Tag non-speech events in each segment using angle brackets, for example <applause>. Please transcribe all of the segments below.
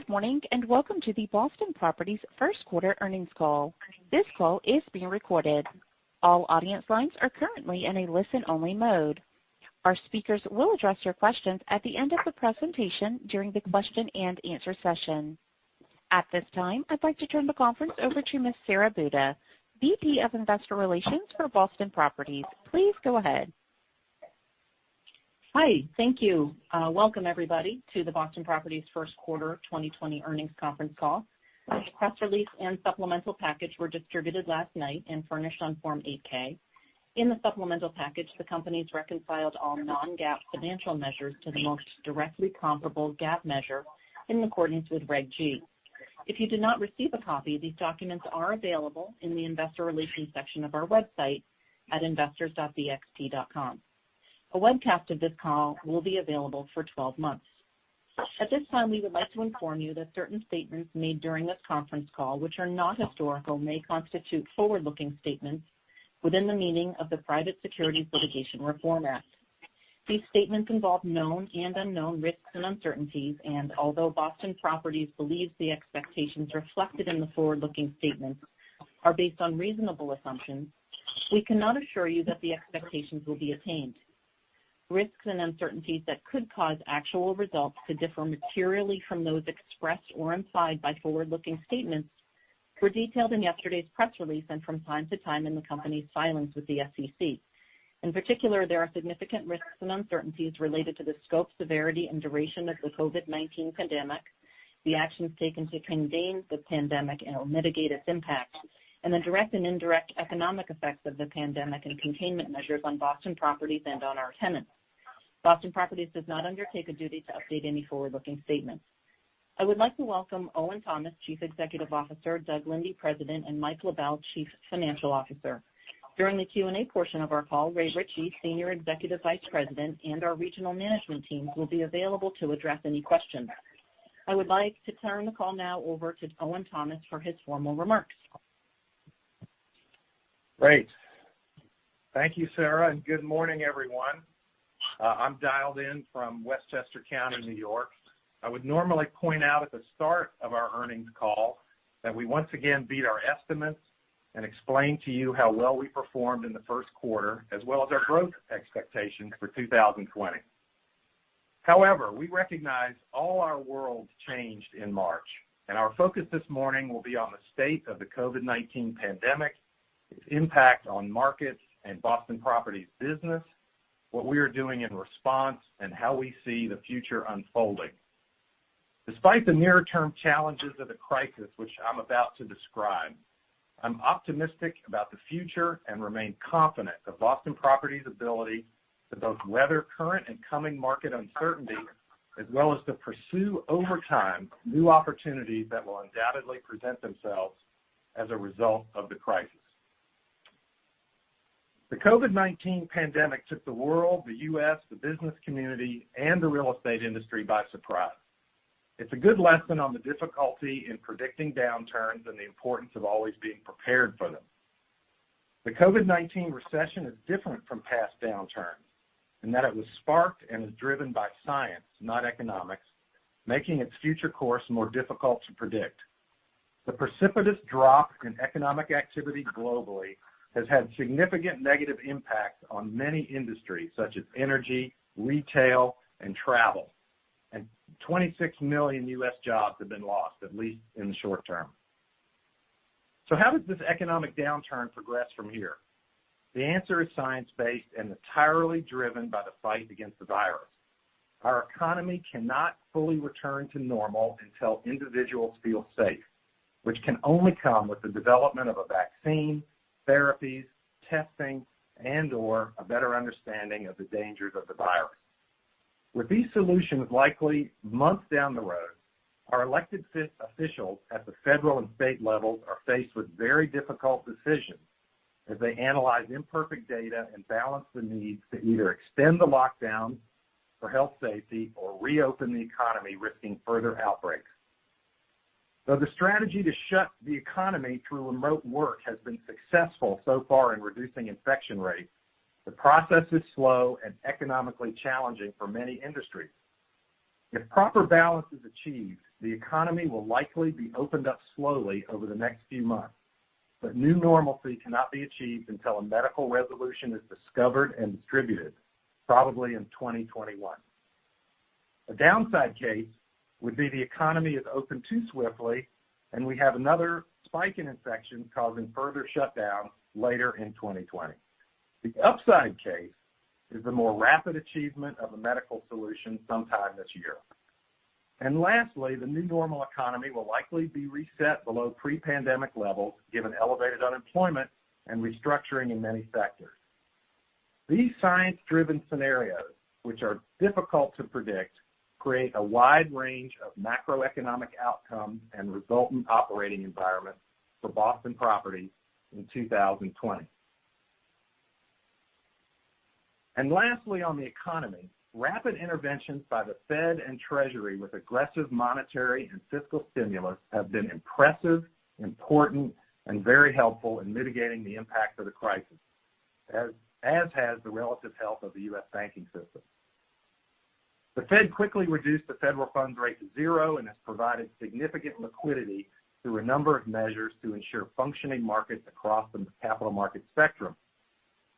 Good morning, and welcome to the Boston Properties First Quarter Earnings Call. This call is being recorded. All audience lines are currently in a listen-only mode. Our speakers will address your questions at the end of the presentation during the question and answer session. At this time, I'd like to turn the conference over to Ms. Sara Buda, VP of Investor Relations for Boston Properties. Please go ahead. Hi. Thank you. Welcome everybody to the Boston Properties first quarter 2020 earnings conference call. The press release and supplemental package were distributed last night and furnished on Form 8-K. In the supplemental package, the company's reconciled all non-GAAP financial measures to the most directly comparable GAAP measure in accordance with Regulation G. If you did not receive a copy, these documents are available in the investor relations section of our website at investors.bxp.com. A webcast of this call will be available for 12 months. At this time, we would like to inform you that certain statements made during this conference call, which are not historical, may constitute forward-looking statements within the meaning of the Private Securities Litigation Reform Act. These statements involve known and unknown risks and uncertainties, and although Boston Properties believes the expectations reflected in the forward-looking statements are based on reasonable assumptions, we cannot assure you that the expectations will be attained. Risks and uncertainties that could cause actual results to differ materially from those expressed or implied by forward-looking statements were detailed in yesterday's press release and from time to time in the company's filings with the SEC. In particular, there are significant risks and uncertainties related to the scope, severity, and duration of the COVID-19 pandemic, the actions taken to contain the pandemic and/or mitigate its impact, and the direct and indirect economic effects of the pandemic and containment measures on Boston Properties and on our tenants. Boston Properties does not undertake a duty to update any forward-looking statements. I would like to welcome Owen Thomas, Chief Executive Officer, Doug Linde, President, and Mike LaBelle, Chief Financial Officer. During the Q&A portion of our call, Ray Ritchie, Senior Executive Vice President, and our regional management teams will be available to address any questions. I would like to turn the call now over to Owen Thomas for his formal remarks. Great. Thank you, Sara, good morning, everyone. I'm dialed in from Westchester County, N.Y. I would normally point out at the start of our earnings call that we once again beat our estimates and explain to you how well we performed in the first quarter, as well as our growth expectations for 2020. We recognize all our worlds changed in March, and our focus this morning will be on the state of the COVID-19 pandemic, its impact on markets and Boston Properties' business, what we are doing in response, and how we see the future unfolding. Despite the near-term challenges of the crisis which I'm about to describe, I'm optimistic about the future and remain confident of Boston Properties' ability to both weather current and coming market uncertainty, as well as to pursue, over time, new opportunities that will undoubtedly present themselves as a result of the crisis. The COVID-19 pandemic took the world, the U.S., the business community, and the real estate industry by surprise. It's a good lesson on the difficulty in predicting downturns and the importance of always being prepared for them. The COVID-19 recession is different from past downturns, in that it was sparked and is driven by science, not economics, making its future course more difficult to predict. The precipitous drop in economic activity globally has had significant negative impacts on many industries, such as energy, retail, and travel, and 26 million U.S. jobs have been lost, at least in the short term. How does this economic downturn progress from here? The answer is science-based and entirely driven by the fight against the virus. Our economy cannot fully return to normal until individuals feel safe, which can only come with the development of a vaccine, therapies, testing, and/or a better understanding of the dangers of the virus. With these solutions likely months down the road, our elected officials at the federal and state levels are faced with very difficult decisions as they analyze imperfect data and balance the needs to either extend the lockdown for health safety or reopen the economy, risking further outbreaks. Though the strategy to shut the economy through remote work has been successful so far in reducing infection rates, the process is slow and economically challenging for many industries. If proper balance is achieved, the economy will likely be opened up slowly over the next few months. New normalcy cannot be achieved until a medical resolution is discovered and distributed, probably in 2021. A downside case would be the economy is opened too swiftly, and we have another spike in infections causing further shutdown later in 2020. The upside case is the more rapid achievement of a medical solution sometime this year. Lastly, the new normal economy will likely be reset below pre-pandemic levels, given elevated unemployment and restructuring in many sectors. These science-driven scenarios, which are difficult to predict, create a wide range of macroeconomic outcomes and resultant operating environments for Boston Properties in 2020. Lastly on the economy, rapid interventions by the Fed and Treasury with aggressive monetary and fiscal stimulus have been impressive, important, and very helpful in mitigating the impact of the crisis, as has the relative health of the U.S. banking system. The Fed quickly reduced the federal funds rate to zero and has provided significant liquidity through a number of measures to ensure functioning markets across the capital market spectrum.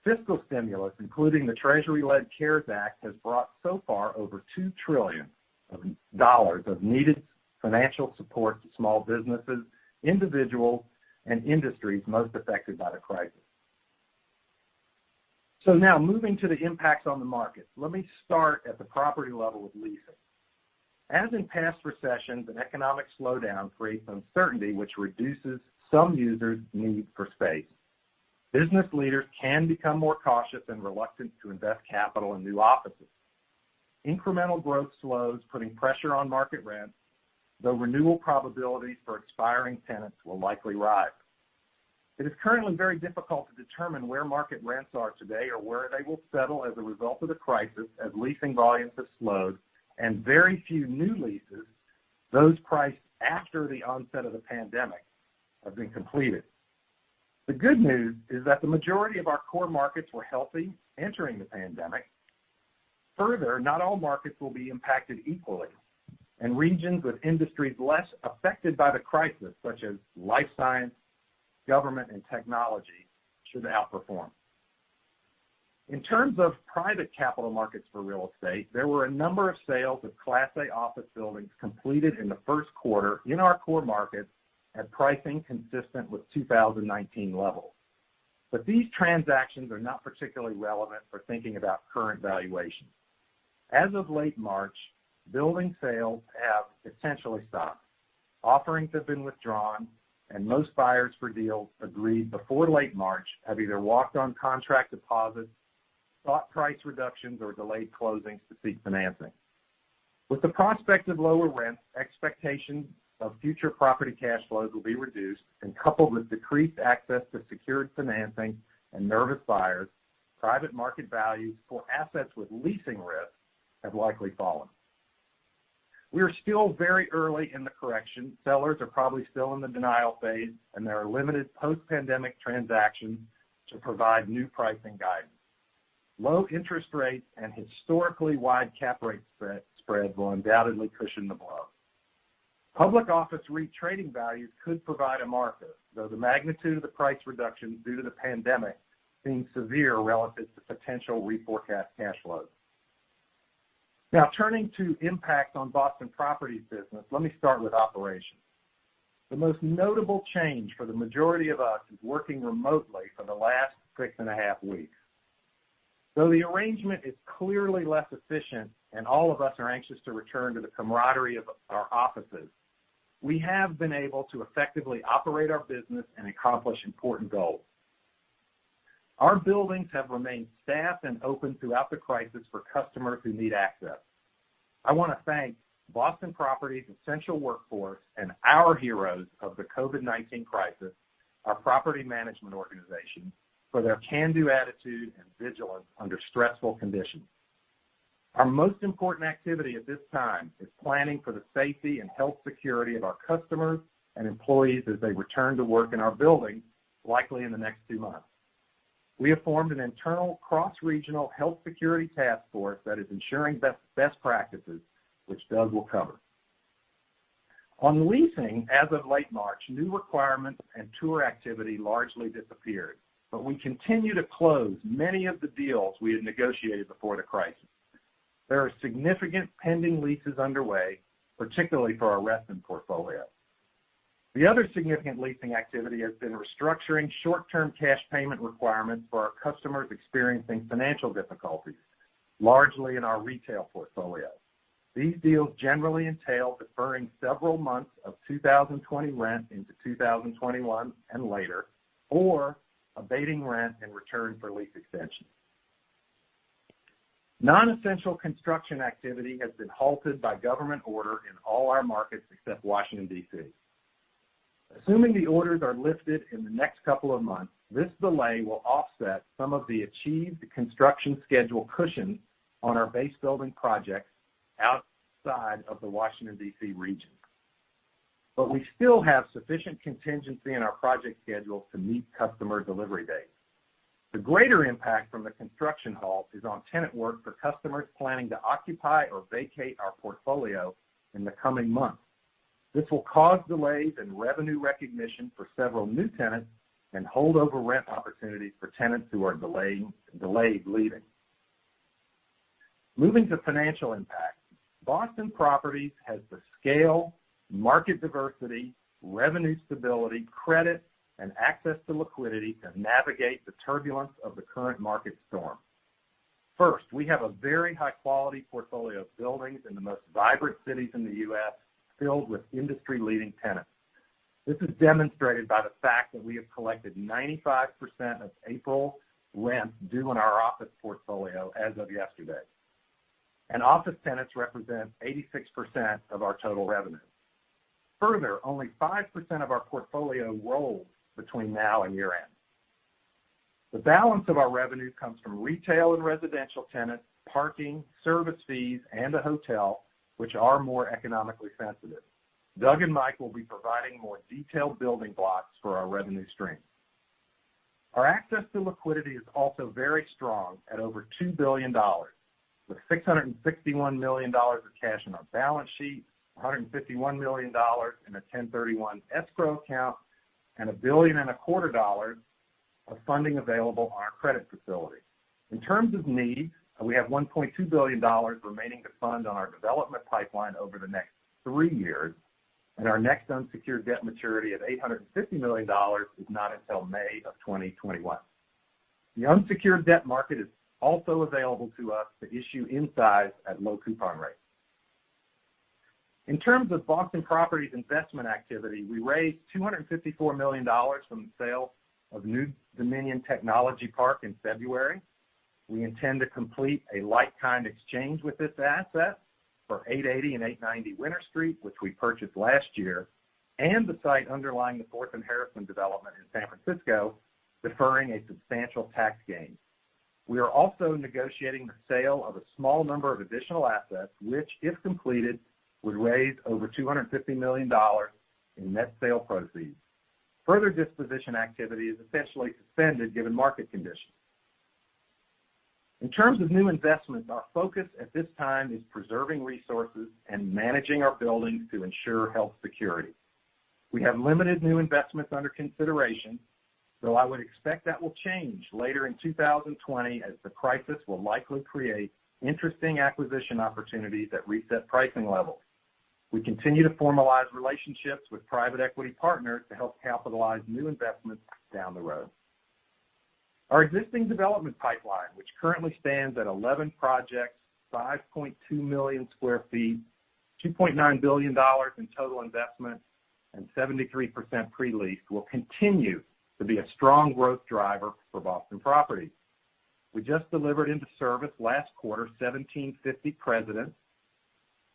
Fiscal stimulus, including the Treasury-led CARES Act, has brought so far over $2 trillion of needed financial support to small businesses, individuals, and industries most affected by the crisis. Now moving to the impacts on the market. Let me start at the property level with leasing. As in past recessions, an economic slowdown creates uncertainty which reduces some users' need for space. Business leaders can become more cautious and reluctant to invest capital in new offices. Incremental growth slows, putting pressure on market rents, though renewal probabilities for expiring tenants will likely rise. It is currently very difficult to determine where market rents are today or where they will settle as a result of the crisis, as leasing volumes have slowed, and very few new leases, those priced after the onset of the pandemic, have been completed. The good news is that the majority of our core markets were healthy entering the pandemic. Further, not all markets will be impacted equally, and regions with industries less affected by the crisis, such as life science, government, and technology, should outperform. In terms of private capital markets for real estate, there were a number of sales of Class A office buildings completed in the first quarter in our core markets at pricing consistent with 2019 levels. These transactions are not particularly relevant for thinking about current valuations. As of late March, building sales have essentially stopped. Offerings have been withdrawn, and most buyers for deals agreed before late March have either walked on contract deposits, sought price reductions, or delayed closings to seek financing. With the prospect of lower rents, expectations of future property cash flows will be reduced, and coupled with decreased access to secured financing and nervous buyers, private market values for assets with leasing risk have likely fallen. We are still very early in the correction. Sellers are probably still in the denial phase, and there are limited post-pandemic transactions to provide new pricing guidance. Low interest rates and historically wide cap rate spreads will undoubtedly cushion the blow. Public office Real Estate Investment Trust trading values could provide a marker, though the magnitude of the price reductions due to the pandemic seem severe relative to potential reforecast cash flows. Turning to impacts on Boston Properties business, let me start with operations. The most notable change for the majority of us is working remotely for the last six and a half weeks. The arrangement is clearly less efficient and all of us are anxious to return to the camaraderie of our offices, we have been able to effectively operate our business and accomplish important goals. Our buildings have remained staffed and open throughout the crisis for customers who need access. I want to thank Boston Properties' essential workforce and our heroes of the COVID-19 crisis, our property management organization, for their can-do attitude and vigilance under stressful conditions. Our most important activity at this time is planning for the safety and health security of our customers and employees as they return to work in our buildings, likely in the next two months. We have formed an internal cross-regional health security task force that is ensuring best practices, which Doug will cover. On leasing, as of late March, new requirements and tour activity largely disappeared, but we continue to close many of the deals we had negotiated before the crisis. There are significant pending leases underway, particularly for our Redmond portfolio. The other significant leasing activity has been restructuring short-term cash payment requirements for our customers experiencing financial difficulties, largely in our retail portfolio. These deals generally entail deferring several months of 2020 rent into 2021 and later, or abating rent in return for lease extensions. Non-essential construction activity has been halted by government order in all our markets except Washington, D.C. Assuming the orders are lifted in the next couple of months, this delay will offset some of the achieved construction schedule cushion on our base building projects outside of the Washington, D.C., region. We still have sufficient contingency in our project schedule to meet customer delivery dates. The greater impact from the construction halt is on tenant work for customers planning to occupy or vacate our portfolio in the coming months. This will cause delays in revenue recognition for several new tenants and holdover rent opportunities for tenants who are delayed leaving. Moving to financial impact. Boston Properties has the scale, market diversity, revenue stability, credit, and access to liquidity to navigate the turbulence of the current market storm. First, we have a very high-quality portfolio of buildings in the most vibrant cities in the U.S. filled with industry-leading tenants. This is demonstrated by the fact that we have collected 95% of April rent due on our office portfolio as of yesterday. Office tenants represent 86% of our total revenue. Further, only 5% of our portfolio rolls between now and year-end. The balance of our revenue comes from retail and residential tenants, parking, service fees, and a hotel, which are more economically sensitive. Doug and Mike will be providing more detailed building blocks for our revenue stream. Our access to liquidity is also very strong at over $2 billion, with $661 million of cash on our balance sheet, $151 million in a 1031 escrow account, and $1.25 billion of funding available on our credit facility. In terms of needs, we have $1.2 billion remaining to fund on our development pipeline over the next three years, and our next unsecured debt maturity of $850 million is not until May of 2021. The unsecured debt market is also available to us to issue inside at low coupon rates. In terms of Boston Properties investment activity, we raised $254 million from the sale of New Dominion Technology Park in February. We intend to complete a like-kind exchange with this asset for 880 and 890 Winter Street, which we purchased last year, and the site underlying the Fourth and Harrison development in San Francisco, deferring a substantial tax gain. We are also negotiating the sale of a small number of additional assets, which, if completed, would raise over $250 million in net sale proceeds. Further disposition activity is essentially suspended given market conditions. In terms of new investments, our focus at this time is preserving resources and managing our buildings to ensure health security. We have limited new investments under consideration, though I would expect that will change later in 2020 as the crisis will likely create interesting acquisition opportunities that reset pricing levels. We continue to formalize relationships with private equity partners to help capitalize new investments down the road. Our existing development pipeline, which currently stands at 11 projects, 5.2 million square feet, $2.9 billion in total investments, and 73% pre-leased, will continue to be a strong growth driver for Boston Properties. We just delivered into service last quarter 1750 Presidents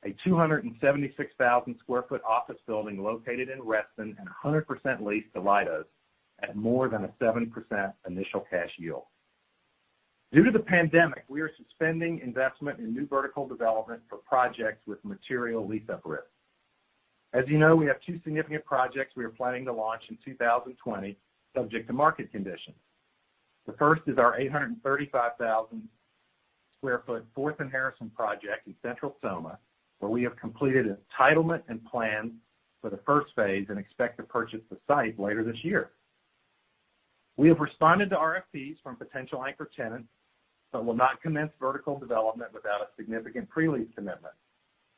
Street, a 276,000 sq ft office building located in Reston and 100% leased to Leidos at more than a 7% initial cash yield. Due to the pandemic, we are suspending investment in new vertical development for projects with material lease-up risk. As you know, we have two significant projects we are planning to launch in 2020, subject to market conditions. The first is our 835,000 sq ft Fourth and Harrison project in Central Soma, where we have completed entitlement and plans for the first phase and expect to purchase the site later this year. We have responded to requests for proposals from potential anchor tenants but will not commence vertical development without a significant pre-lease commitment.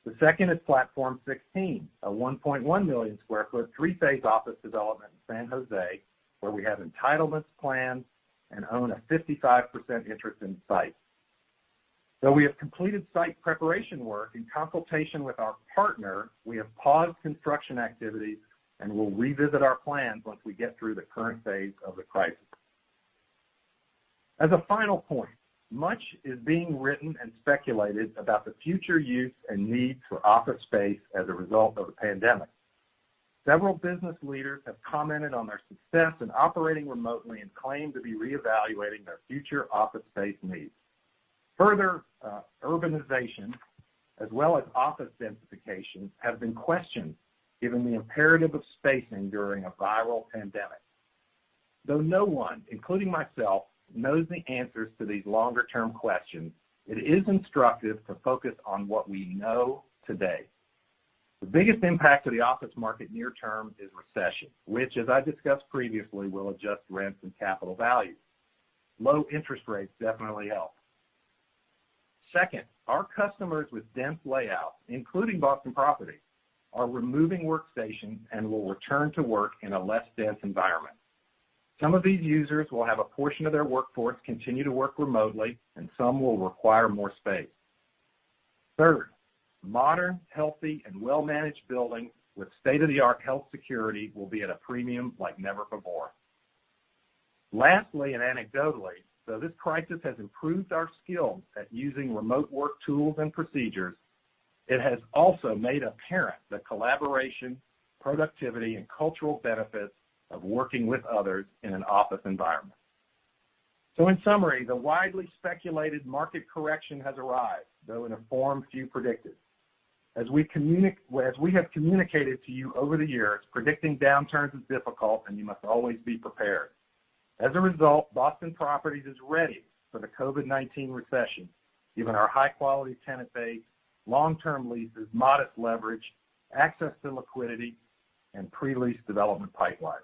The second is Platform 16, a 1.1 million square feet, three-phase office development in San Jose, where we have entitlements planned and own a 55% interest in site. Though we have completed site preparation work in consultation with our partner, we have paused construction activity and will revisit our plans once we get through the current phase of the crisis. As a final point, much is being written and speculated about the future use and need for office space as a result of the pandemic. Several business leaders have commented on their success in operating remotely and claim to be reevaluating their future office space needs. Further urbanization as well as office densification have been questioned given the imperative of spacing during a viral pandemic. Though no one, including myself, knows the answers to these longer-term questions, it is instructive to focus on what we know today. The biggest impact to the office market near term is recession, which, as I discussed previously, will adjust rents and capital value. Low interest rates definitely help. Second, our customers with dense layouts, including Boston Properties, are removing workstations and will return to work in a less dense environment. Some of these users will have a portion of their workforce continue to work remotely, and some will require more space. Third, modern, healthy, and well-managed buildings with state-of-the-art health security will be at a premium like never before. Lastly, anecdotally, though this crisis has improved our skills at using remote work tools and procedures, it has also made apparent the collaboration, productivity, and cultural benefits of working with others in an office environment. In summary, the widely speculated market correction has arrived, though in a form few predicted. As we have communicated to you over the years, predicting downturns is difficult, and you must always be prepared. As a result, Boston Properties is ready for the COVID-19 recession, given our high-quality tenant base, long-term leases, modest leverage, access to liquidity, and pre-lease development pipeline.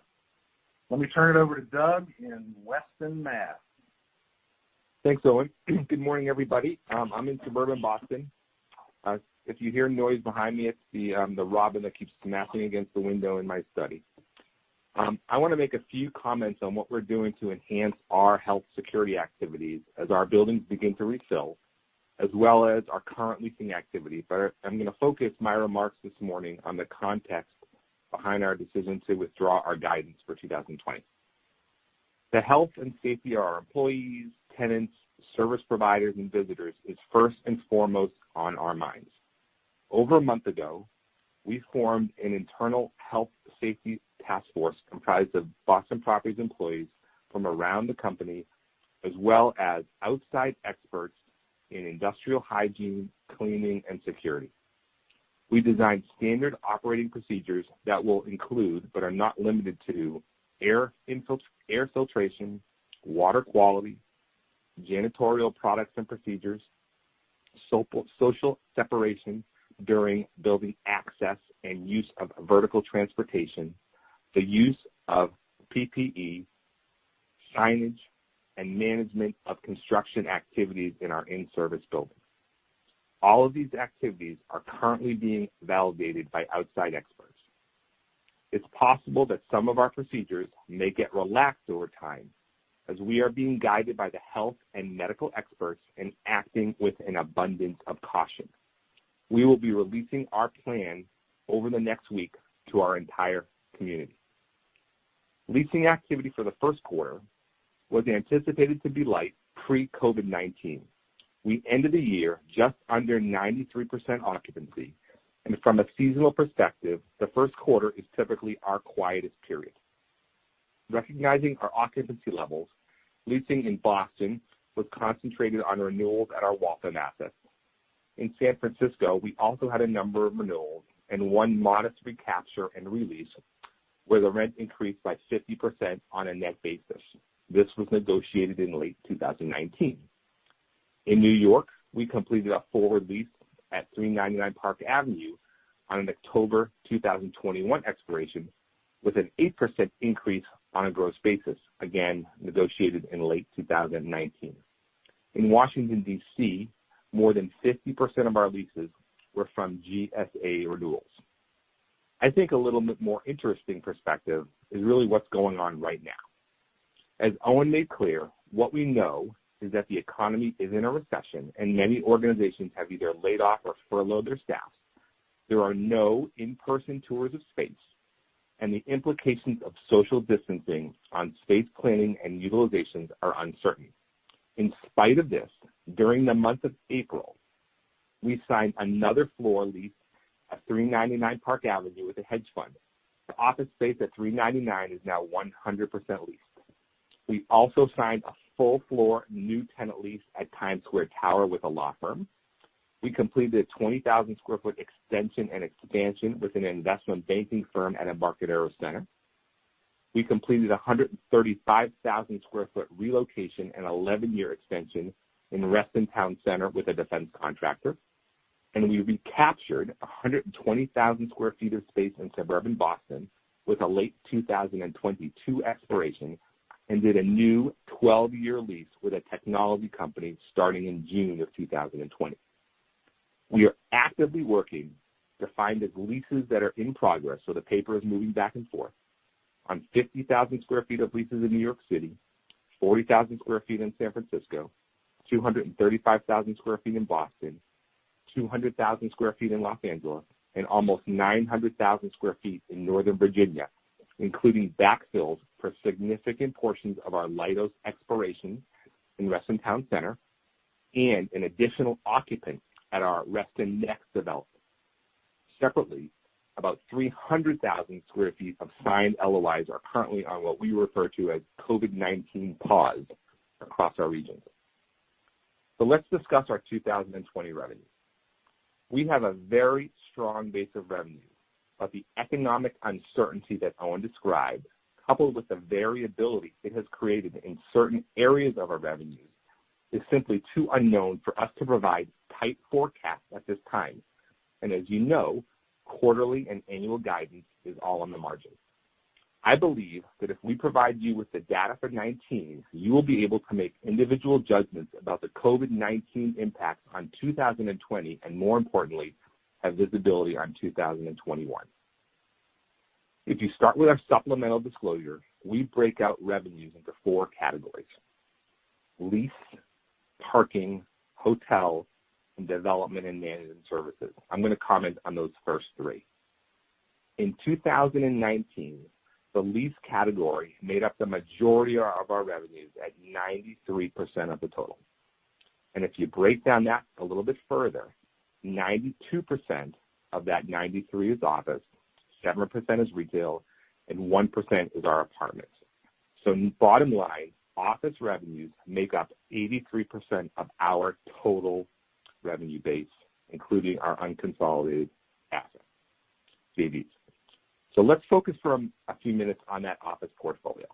Let me turn it over to Doug Linde in Weston, Massachusetts. Thanks, Owen. Good morning, everybody. I'm in suburban Boston. If you hear noise behind me, it's the robin that keeps smacking against the window in my study. I want to make a few comments on what we're doing to enhance our health security activities as our buildings begin to refill, as well as our current leasing activity. I'm going to focus my remarks this morning on the context behind our decision to withdraw our guidance for 2020. The health and safety of our employees, tenants, service providers, and visitors is first and foremost on our minds. Over a month ago, we formed an internal health safety task force comprised of Boston Properties employees from around the company, as well as outside experts in industrial hygiene, cleaning, and security. We designed standard operating procedures that will include, but are not limited to, air filtration, water quality, janitorial products and procedures, social separation during building access and use of vertical transportation, the use of personal protective equipment, signage, and management of construction activities in our in-service buildings. All of these activities are currently being validated by outside experts. It's possible that some of our procedures may get relaxed over time as we are being guided by the health and medical experts and acting with an abundance of caution. We will be releasing our plan over the next week to our entire community. Leasing activity for the first quarter was anticipated to be light pre-COVID-19. We ended the year just under 93% occupancy. From a seasonal perspective, the first quarter is typically our quietest period. Recognizing our occupancy levels, leasing in Boston was concentrated on renewals at our Waltham assets. In San Francisco, we also had a number of renewals and one modest recapture and release, where the rent increased by 50% on a net basis. This was negotiated in late 2019. In New York, we completed a forward lease at 399 Park Avenue on an October 2021 expiration with an 8% increase on a gross basis, again negotiated in late 2019. In Washington, D.C., more than 50% of our leases were from General Services Administration renewals. I think a little bit more interesting perspective is really what's going on right now. As Owen made clear, what we know is that the economy is in a recession. Many organizations have either laid off or furloughed their staff. There are no in-person tours of space. The implications of social distancing on space planning and utilizations are uncertain. In spite of this, during the month of April, we signed another floor lease at 399 Park Avenue with a hedge fund. The office space at 399 is now 100% leased. We also signed a full floor new tenant lease at Times Square Tower with a law firm. We completed a 20,000 sq ft extension and expansion with an investment banking firm at Embarcadero Center. We completed 135,000 sq ft relocation and 11-year extension in Reston Town Center with a defense contractor, and we recaptured 120,000 sq ft of space in suburban Boston with a late 2022 expiration and did a new 12-year lease with a technology company starting in June of 2020. We are actively working to find the leases that are in progress, so the paper is moving back and forth on 50,000 sq ft of leases in New York City, 40,000 sq ft in San Francisco, 235,000 sq ft in Boston, 200,000 sq ft in Los Angeles, and almost 900,000 sq ft in Northern Virginia, including backfills for significant portions of our Leidos expiration in Reston Town Center and an additional occupant at our Reston Next development. Separately, about 300,000 sq ft of signed Letters of Intent are currently on what we refer to as COVID-19 pause across our regions. Let's discuss our 2020 revenue. We have a very strong base of revenue, but the economic uncertainty that Owen described, coupled with the variability it has created in certain areas of our revenues, is simply too unknown for us to provide tight forecasts at this time. As you know, quarterly and annual guidance is all on the margins. I believe that if we provide you with the data for 2019, you will be able to make individual judgments about the COVID-19 impact on 2020, and more importantly, have visibility on 2021. If you start with our supplemental disclosure, we break out revenues into four categories, lease, parking, hotel, and development and management services. I'm going to comment on those first three. In 2019, the lease category made up the majority of our revenues at 93% of the total. If you break down that a little bit further, 92% of that 93% is office, 7% is retail, and 1% is our apartments. Bottom line, office revenues make up 83% of our total revenue base, including our unconsolidated assets, JVs. Let's focus for a few minutes on that office portfolio.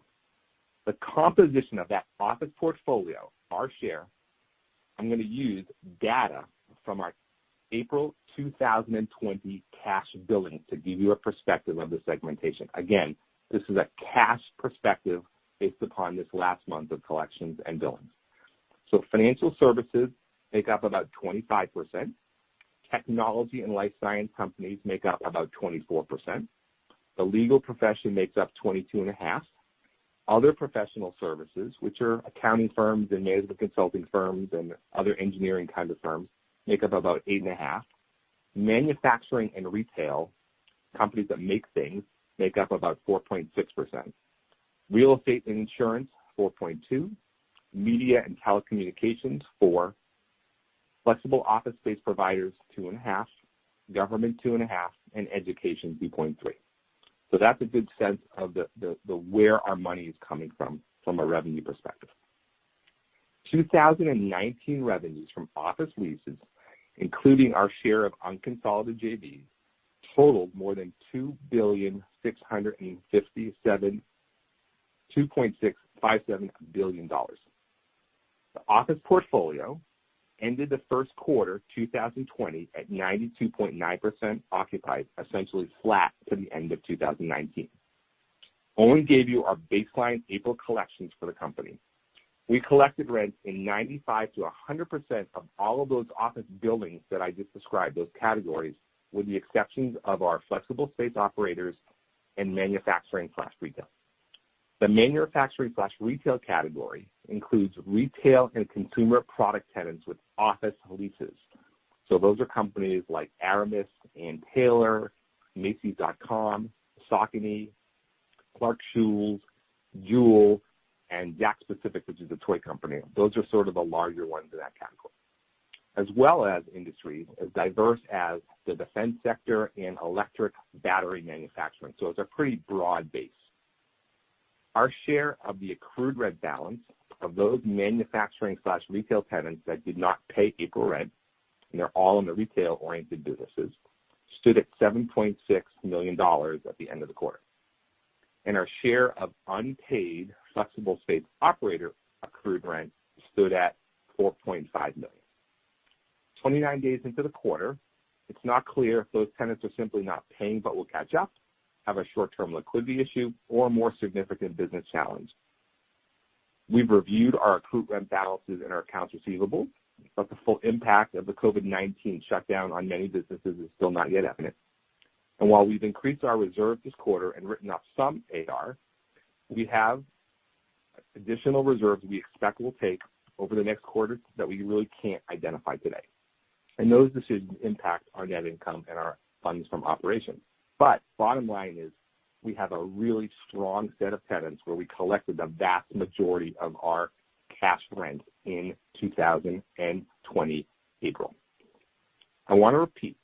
The composition of that office portfolio, our share, I'm going to use data from our April 2020 cash billing to give you a perspective of the segmentation. Again, this is a cash perspective based upon this last month of collections and billings. Financial services make up about 25%. Technology and life science companies make up about 24%. The legal profession makes up 22.5%. Other professional services, which are accounting firms and management consulting firms and other engineering kinds of firms, make up about 8.5%. Manufacturing and retail companies that make things make up about 4.6%. Real estate and insurance, 4.2%. Media and telecommunications, 4%. Flexible office space providers, 2.5%. Government, 2.5%, and education, 2.3%. That's a good sense of where our money is coming from a revenue perspective. 2019 revenues from office leases, including our share of unconsolidated joint ventures, totaled more than $2.657 billion. The office portfolio ended the first quarter 2020 at 92.9% occupied, essentially flat to the end of 2019. Owen gave you our baseline April collections for the company. We collected rents in 95%-100% of all of those office buildings that I just described, those categories, with the exceptions of our flexible space operators and manufacturing/retail. The manufacturing/retail category includes retail and consumer product tenants with office leases. Those are companies like Ann Taylor, Macy's.com, Saucony, Clarks Shoes, Juul, and JAKKS Pacific, which is a toy company. Those are sort of the larger ones in that category. As well as industries as diverse as the defense sector and electric battery manufacturing. It's a pretty broad base. Our share of the accrued rent balance of those manufacturing/retail tenants that did not pay April rent, and they're all in the retail-oriented businesses, stood at $7.6 million at the end of the quarter. Our share of unpaid flexible space operator accrued rent stood at $4.5 million. 29 days into the quarter, it's not clear if those tenants are simply not paying but will catch up, have a short-term liquidity issue, or a more significant business challenge. We've reviewed our accrued rent balances and our accounts receivable, the full impact of the COVID-19 shutdown on many businesses is still not yet evident. While we've increased our reserve this quarter and written off some accounts receivable, we have additional reserves we expect we'll take over the next quarter that we really can't identify today. Those decisions impact our net income and our funds from operations. Bottom line is we have a really strong set of tenants where we collected the vast majority of our cash rent in 2020 April. I want to repeat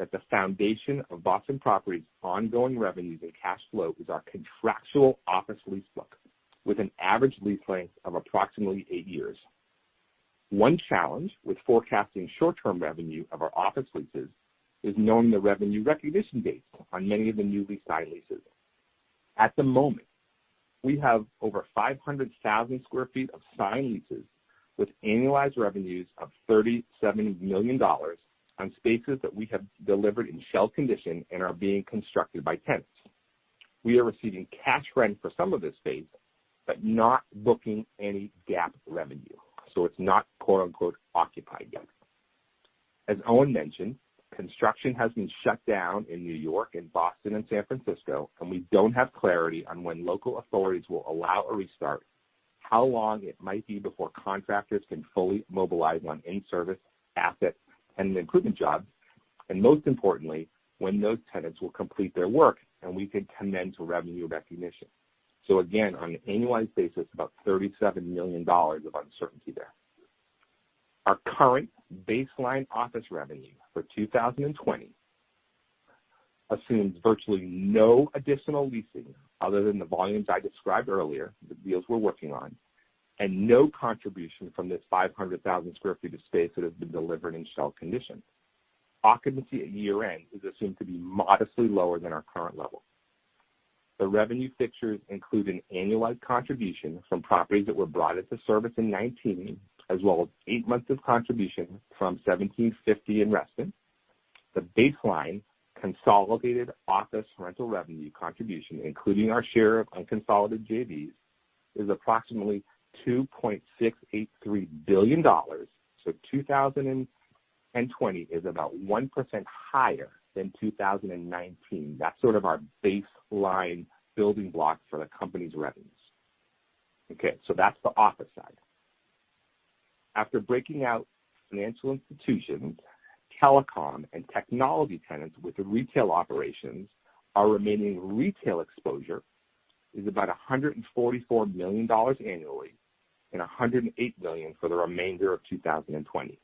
that the foundation of Boston Properties' ongoing revenues and cash flow is our contractual office lease book, with an average lease length of approximately eight years. One challenge with forecasting short-term revenue of our office leases is knowing the revenue recognition dates on many of the newly signed leases. At the moment, we have over 500,000 sq ft of signed leases with annualized revenues of $37 million on spaces that we have delivered in shell condition and are being constructed by tenants. We are receiving cash rent for some of this space, but not booking any GAAP revenue, so it's not "occupied" yet. As Owen mentioned, construction has been shut down in New York and Boston and San Francisco, and we don't have clarity on when local authorities will allow a restart, how long it might be before contractors can fully mobilize on in-service assets and improvement jobs, and most importantly, when those tenants will complete their work and we can commence revenue recognition. Again, on an annualized basis, about $37 million of uncertainty there. Our current baseline office revenue for 2020 assumes virtually no additional leasing other than the volumes I described earlier, the deals we're working on, and no contribution from this 500,000 sq ft of space that has been delivered in shell condition. Occupancy at year-end is assumed to be modestly lower than our current level. The revenue figures include an annualized contribution from properties that were brought into service in 2019, as well as eight months of contribution from 1750 in Reston. The baseline consolidated office rental revenue contribution, including our share of unconsolidated JVs, is approximately $2.683 billion. 2020 is about 1% higher than 2019. That's sort of our baseline building block for the company's revenues. Okay, that's the office side. After breaking out financial institutions, telecom, and technology tenants with the retail operations, our remaining retail exposure is about $144 million annually and $108 million for the remainder of 2020.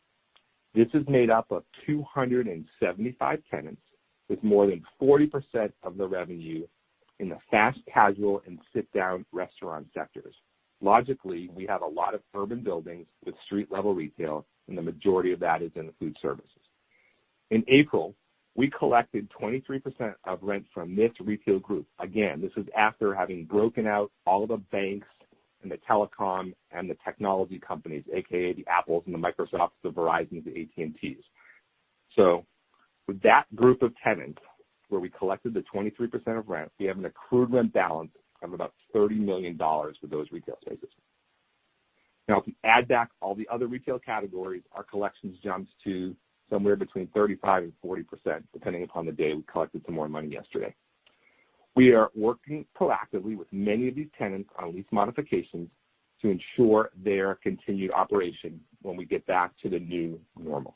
This is made up of 275 tenants, with more than 40% of the revenue in the fast casual and sit-down restaurant sectors. Logically, we have a lot of urban buildings with street-level retail, and the majority of that is in the food services. In April, we collected 23% of rent from this retail group. Again, this is after having broken out all the banks and the telecom and the technology companies, also known as the Apples and the Microsofts, the Verizons, the AT&Ts. With that group of tenants, where we collected the 23% of rent, we have an accrued rent balance of about $30 million for those retail spaces. If we add back all the other retail categories, our collections jumps to somewhere between 35% and 40%, depending upon the day. We collected some more money yesterday. We are working proactively with many of these tenants on lease modifications to ensure their continued operation when we get back to the new normal.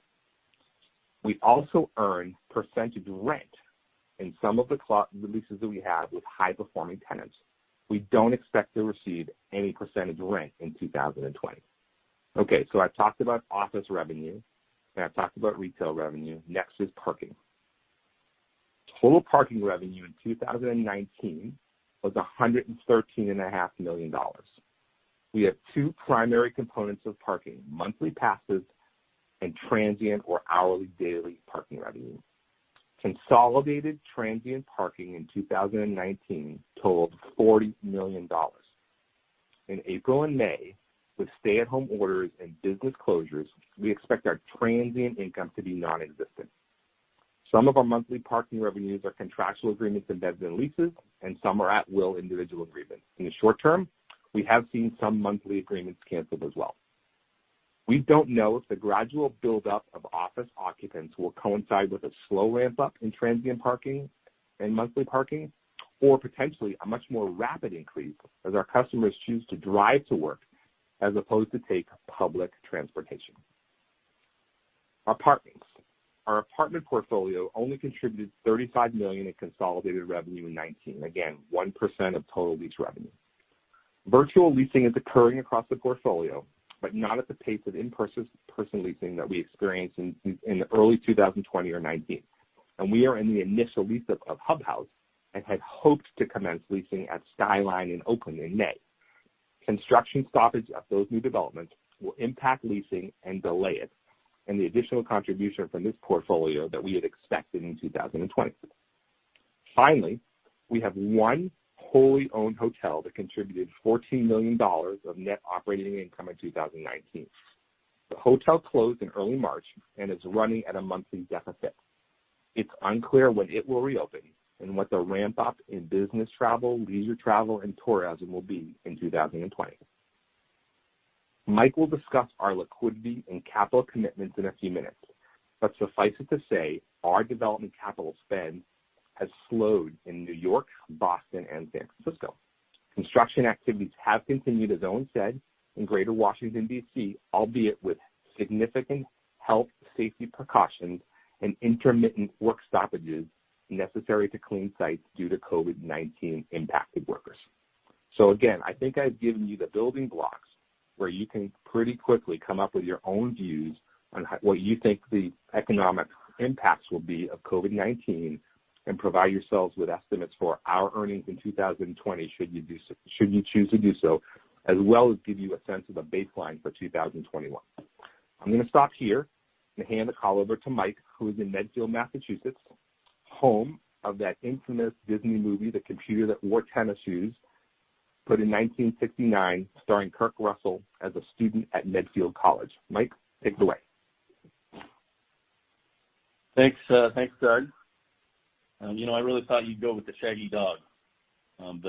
We also earn percentage rent in some of the leases that we have with high-performing tenants. We don't expect to receive any percentage rent in 2020. Okay, I've talked about office revenue, and I've talked about retail revenue. Next is parking. Total parking revenue in 2019 was $113.5 million. We have two primary components of parking, monthly passes and transient or hourly daily parking revenue. Consolidated transient parking in 2019 totaled $40 million. In April and May, with stay-at-home orders and business closures, we expect our transient income to be non-existent. Some of our monthly parking revenues are contractual agreements embedded in leases, and some are at will individual agreements. In the short term, we have seen some monthly agreements canceled as well. We don't know if the gradual buildup of office occupants will coincide with a slow ramp-up in transient parking and monthly parking, or potentially a much more rapid increase as our customers choose to drive to work as opposed to take public transportation. Our apartment portfolio only contributed $35 million in consolidated revenue in 2019. Again, 1% of total lease revenue. Virtual leasing is occurring across the portfolio, but not at the pace of in-person leasing that we experienced in early 2020 or 2019. We are in the initial lease-up of Hub House and had hoped to commence leasing at Skylyne in Oakland in May. Construction stoppage of those new developments will impact leasing and delay it, the additional contribution from this portfolio that we had expected in 2020. Finally, we have one wholly owned hotel that contributed $14 million of net operating income in 2019. The hotel closed in early March and is running at a monthly deficit. It's unclear when it will reopen and what the ramp-up in business travel, leisure travel, and tourism will be in 2020. Mike will discuss our liquidity and capital commitments in a few minutes, but suffice it to say, our development capital spend has slowed in New York, Boston, and San Francisco. Construction activities have continued, as Owen said, in Greater Washington D.C., albeit with significant health safety precautions and intermittent work stoppages necessary to clean sites due to COVID-19 impacted workers. Again, I think I've given you the building blocks where you can pretty quickly come up with your own views on what you think the economic impacts will be of COVID-19 and provide yourselves with estimates for our earnings in 2020 should you choose to do so, as well as give you a sense of a baseline for 2021. I'm going to stop here and hand the call over to Mike, who is in Medfield, Massachusetts, home of that infamous Disney movie, "The Computer That Wore Tennis Shoes," put in 1969 starring Kurt Russell as a student at Medfield College. Mike LaBelle, take it away. Thanks Doug. I really thought you'd go with "The Shaggy Dog." I'm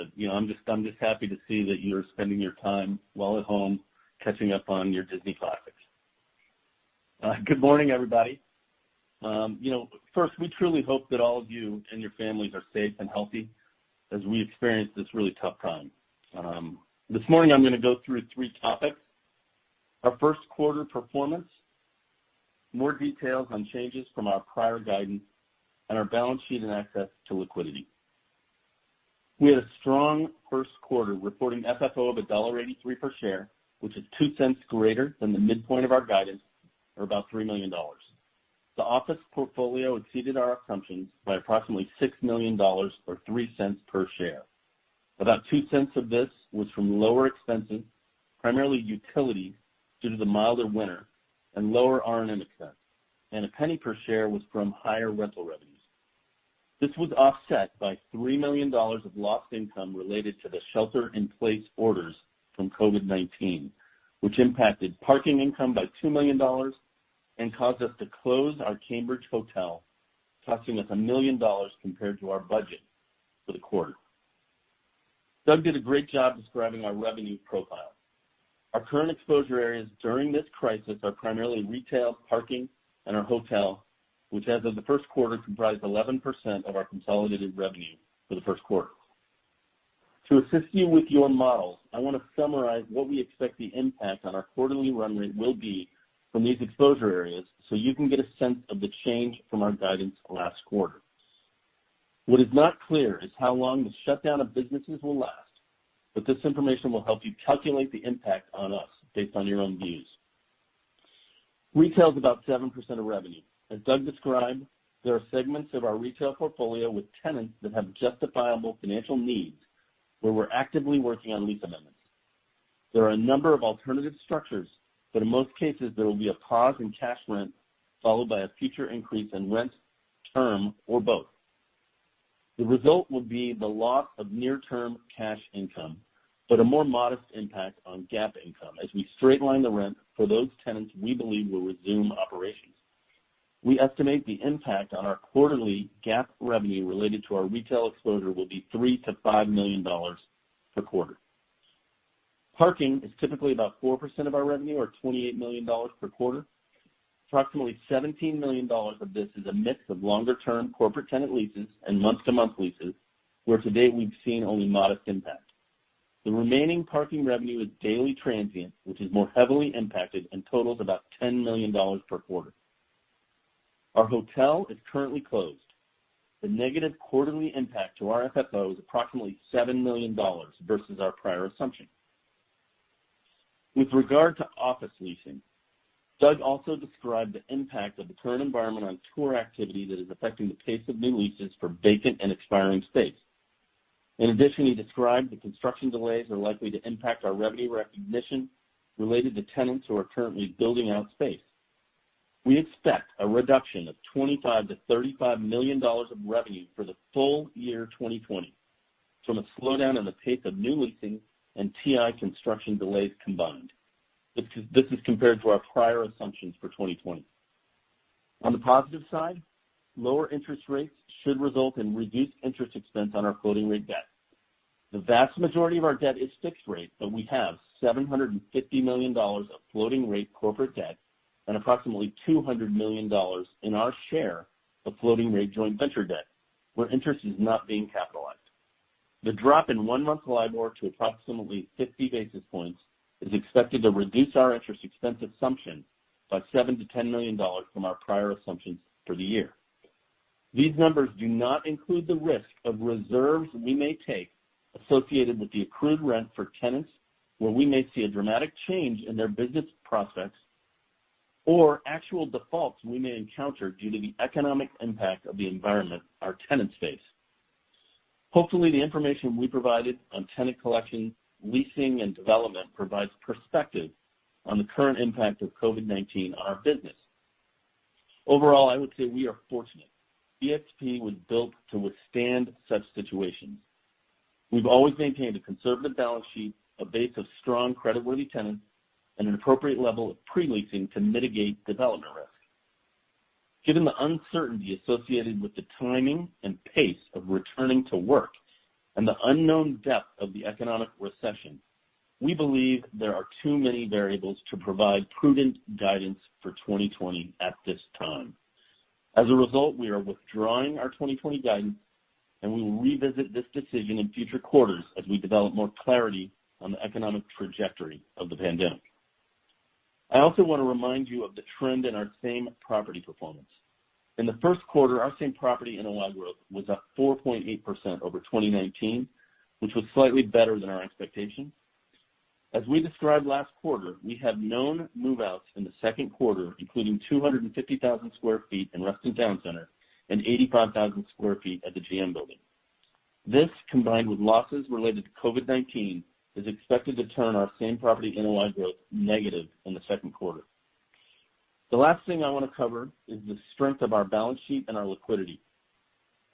just happy to see that you're spending your time well at home catching up on your Disney classics. Good morning, everybody. First, we truly hope that all of you and your families are safe and healthy as we experience this really tough time. This morning I'm going to go through three topics, our first quarter performance, more details on changes from our prior guidance, and our balance sheet and access to liquidity. We had a strong first quarter, reporting Funds From Operations of $1.83 per share, which is $0.02 greater than the midpoint of our guidance, or about $3 million. The office portfolio exceeded our assumptions by approximately $6 million, or $0.03 per share. About $0.02 of this was from lower expenses, primarily utilities, due to the milder winter and lower repairs and maintenance expense, and $0.01 per share was from higher rental revenues. This was offset by $3 million of lost income related to the shelter-in-place orders from COVID-19, which impacted parking income by $2 million and caused us to close our Cambridge Hotel, costing us $1 million compared to our budget for the quarter. Doug did a great job describing our revenue profile. Our current exposure areas during this crisis are primarily retail, parking, and our hotel, which as of the first quarter comprised 11% of our consolidated revenue for the first quarter. To assist you with your models, I want to summarize what we expect the impact on our quarterly run rate will be from these exposure areas so you can get a sense of the change from our guidance last quarter. What is not clear is how long the shutdown of businesses will last, but this information will help you calculate the impact on us based on your own views. Retail is about 7% of revenue. As Doug described, there are segments of our retail portfolio with tenants that have justifiable financial needs where we're actively working on lease amendments. There are a number of alternative structures, but in most cases, there will be a pause in cash rent followed by a future increase in rent, term, or both. The result will be the loss of near-term cash income, but a more modest impact on GAAP income as we straight line the rent for those tenants we believe will resume operations. We estimate the impact on our quarterly GAAP revenue related to our retail exposure will be $3 million-$5 million per quarter. Parking is typically about 4% of our revenue, or $28 million per quarter. Approximately $17 million of this is a mix of longer-term corporate tenant leases and month-to-month leases, where to date we've seen only modest impact. The remaining parking revenue is daily transient, which is more heavily impacted and totals about $10 million per quarter. Our hotel is currently closed. The negative quarterly impact to our FFO is approximately $7 million versus our prior assumption. With regard to office leasing, Doug also described the impact of the current environment on tour activity that is affecting the pace of new leases for vacant and expiring space. In addition, he described the construction delays are likely to impact our revenue recognition related to tenants who are currently building out space. We expect a reduction of $25 million-$35 million of revenue for the full year 2020 from a slowdown in the pace of new leasing and tenant improvement construction delays combined. This is compared to our prior assumptions for 2020. On the positive side, lower interest rates should result in reduced interest expense on our floating rate debt. The vast majority of our debt is fixed rate, but we have $750 million of floating rate corporate debt and approximately $200 million in our share of floating rate joint venture debt, where interest is not being capitalized. The drop in one-month London Interbank Offered Rate to approximately 50 basis points is expected to reduce our interest expense assumption by $7 million to $10 million from our prior assumptions for the year. These numbers do not include the risk of reserves we may take associated with the accrued rent for tenants, where we may see a dramatic change in their business prospects or actual defaults we may encounter due to the economic impact of the environment our tenants face. Hopefully, the information we provided on tenant collection, leasing, and development provides perspective on the current impact of COVID-19 on our business. Overall, I would say we are fortunate. BXP was built to withstand such situations. We've always maintained a conservative balance sheet, a base of strong creditworthy tenants, and an appropriate level of pre-leasing to mitigate development risk. Given the uncertainty associated with the timing and pace of returning to work and the unknown depth of the economic recession, we believe there are too many variables to provide prudent guidance for 2020 at this time. As a result, we are withdrawing our 2020 guidance, and we will revisit this decision in future quarters as we develop more clarity on the economic trajectory of the pandemic. I also want to remind you of the trend in our same property performance. In the first quarter, our same property Net Operating Income growth was up 4.8% over 2019, which was slightly better than our expectations. As we described last quarter, we have known move-outs in the second quarter, including 250,000 sq ft in Reston Town Center and 85,000 sq ft at the GM building. This, combined with losses related to COVID-19, is expected to turn our same property NOI growth negative in the second quarter. The last thing I want to cover is the strength of our balance sheet and our liquidity.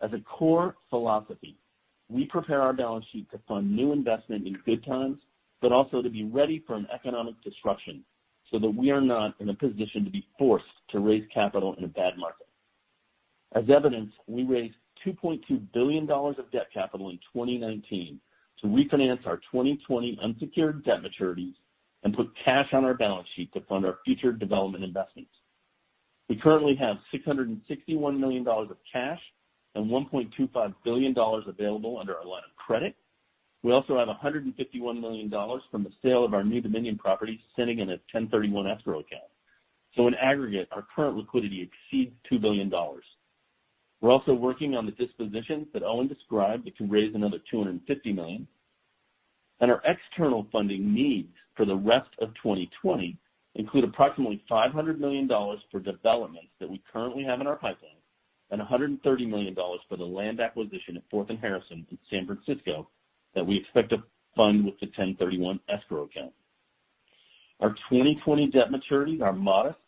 As a core philosophy, we prepare our balance sheet to fund new investment in good times, but also to be ready for an economic disruption so that we are not in a position to be forced to raise capital in a bad market. As evidenced, we raised $2.2 billion of debt capital in 2019 to refinance our 2020 unsecured debt maturities and put cash on our balance sheet to fund our future development investments. We currently have $661 million of cash and $1.25 billion available under our line of credit. We also have $151 million from the sale of our New Dominion property sitting in a 1031 escrow account. In aggregate, our current liquidity exceeds $2 billion. We're also working on the dispositions that Owen described that can raise another $250 million. Our external funding needs for the rest of 2020 include approximately $500 million for developments that we currently have in our pipeline and $130 million for the land acquisition at Fourth and Harrison in San Francisco that we expect to fund with the 1031 escrow account. Our 2020 debt maturities are modest,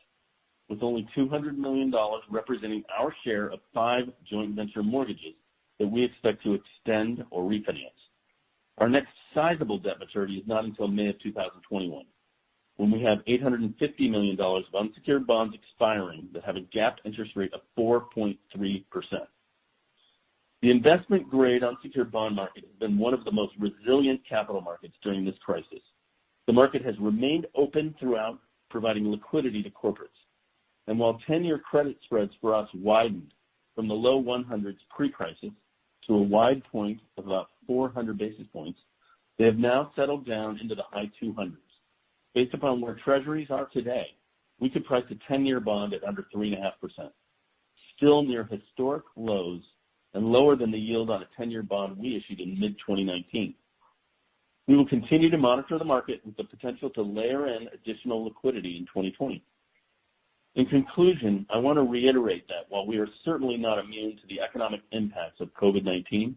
with only $200 million representing our share of five joint venture mortgages that we expect to extend or refinance. Our next sizable debt maturity is not until May of 2021, when we have $850 million of unsecured bonds expiring that have a GAAP interest rate of 4.3%. The investment-grade unsecured bond market has been one of the most resilient capital markets during this crisis. The market has remained open throughout, providing liquidity to corporates. While 10-year credit spreads for us widened from the low 100s pre-crisis to a wide point of about 400 basis points, they have now settled down into the high 200s. Based upon where Treasuries are today, we could price a 10-year bond at under 3.5%, still near historic lows and lower than the yield on a 10-year bond we issued in mid-2019. We will continue to monitor the market with the potential to layer in additional liquidity in 2020. In conclusion, I want to reiterate that while we are certainly not immune to the economic impacts of COVID-19,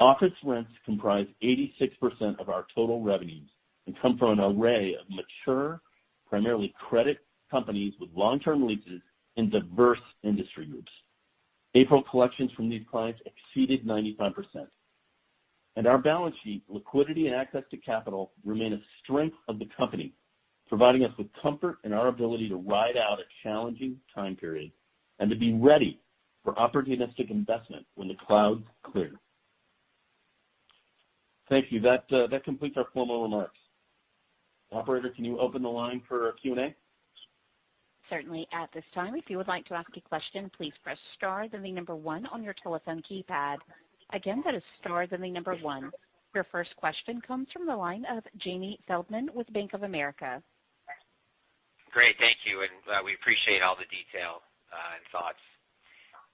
office rents comprise 86% of our total revenues and come from an array of mature, primarily credit companies with long-term leases in diverse industry groups. April collections from these clients exceeded 95%. Our balance sheet liquidity and access to capital remain a strength of the company, providing us with comfort in our ability to ride out a challenging time period and to be ready for opportunistic investment when the clouds clear. Thank you. That completes our formal remarks. Operator, can you open the line for Q&A? Certainly. At this time, if you would like to ask a question, please press star then the number one on your telephone keypad. Again, that is star then the number one. Your first question comes from the line of Jamie Feldman with Bank of America. Great. Thank you. We appreciate all the detail and thoughts.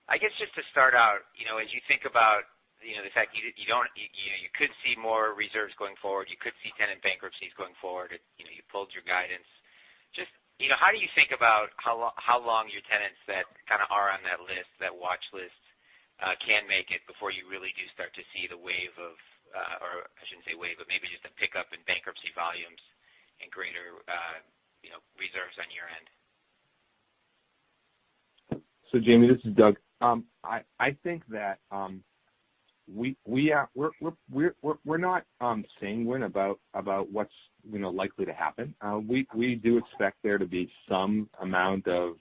I guess just to start out, as you think about the fact you could see more reserves going forward, you could see tenant bankruptcies going forward, you pulled your guidance. Just how do you think about how long your tenants that kind of are on that list, that watchlist, can make it before you really do start to see, or I shouldn't say wave, but maybe just a pickup in bankruptcy volumes and greater reserves on your end? Jamie, this is Doug. I think that we're not sanguine about what's likely to happen. We do expect there to be some amount of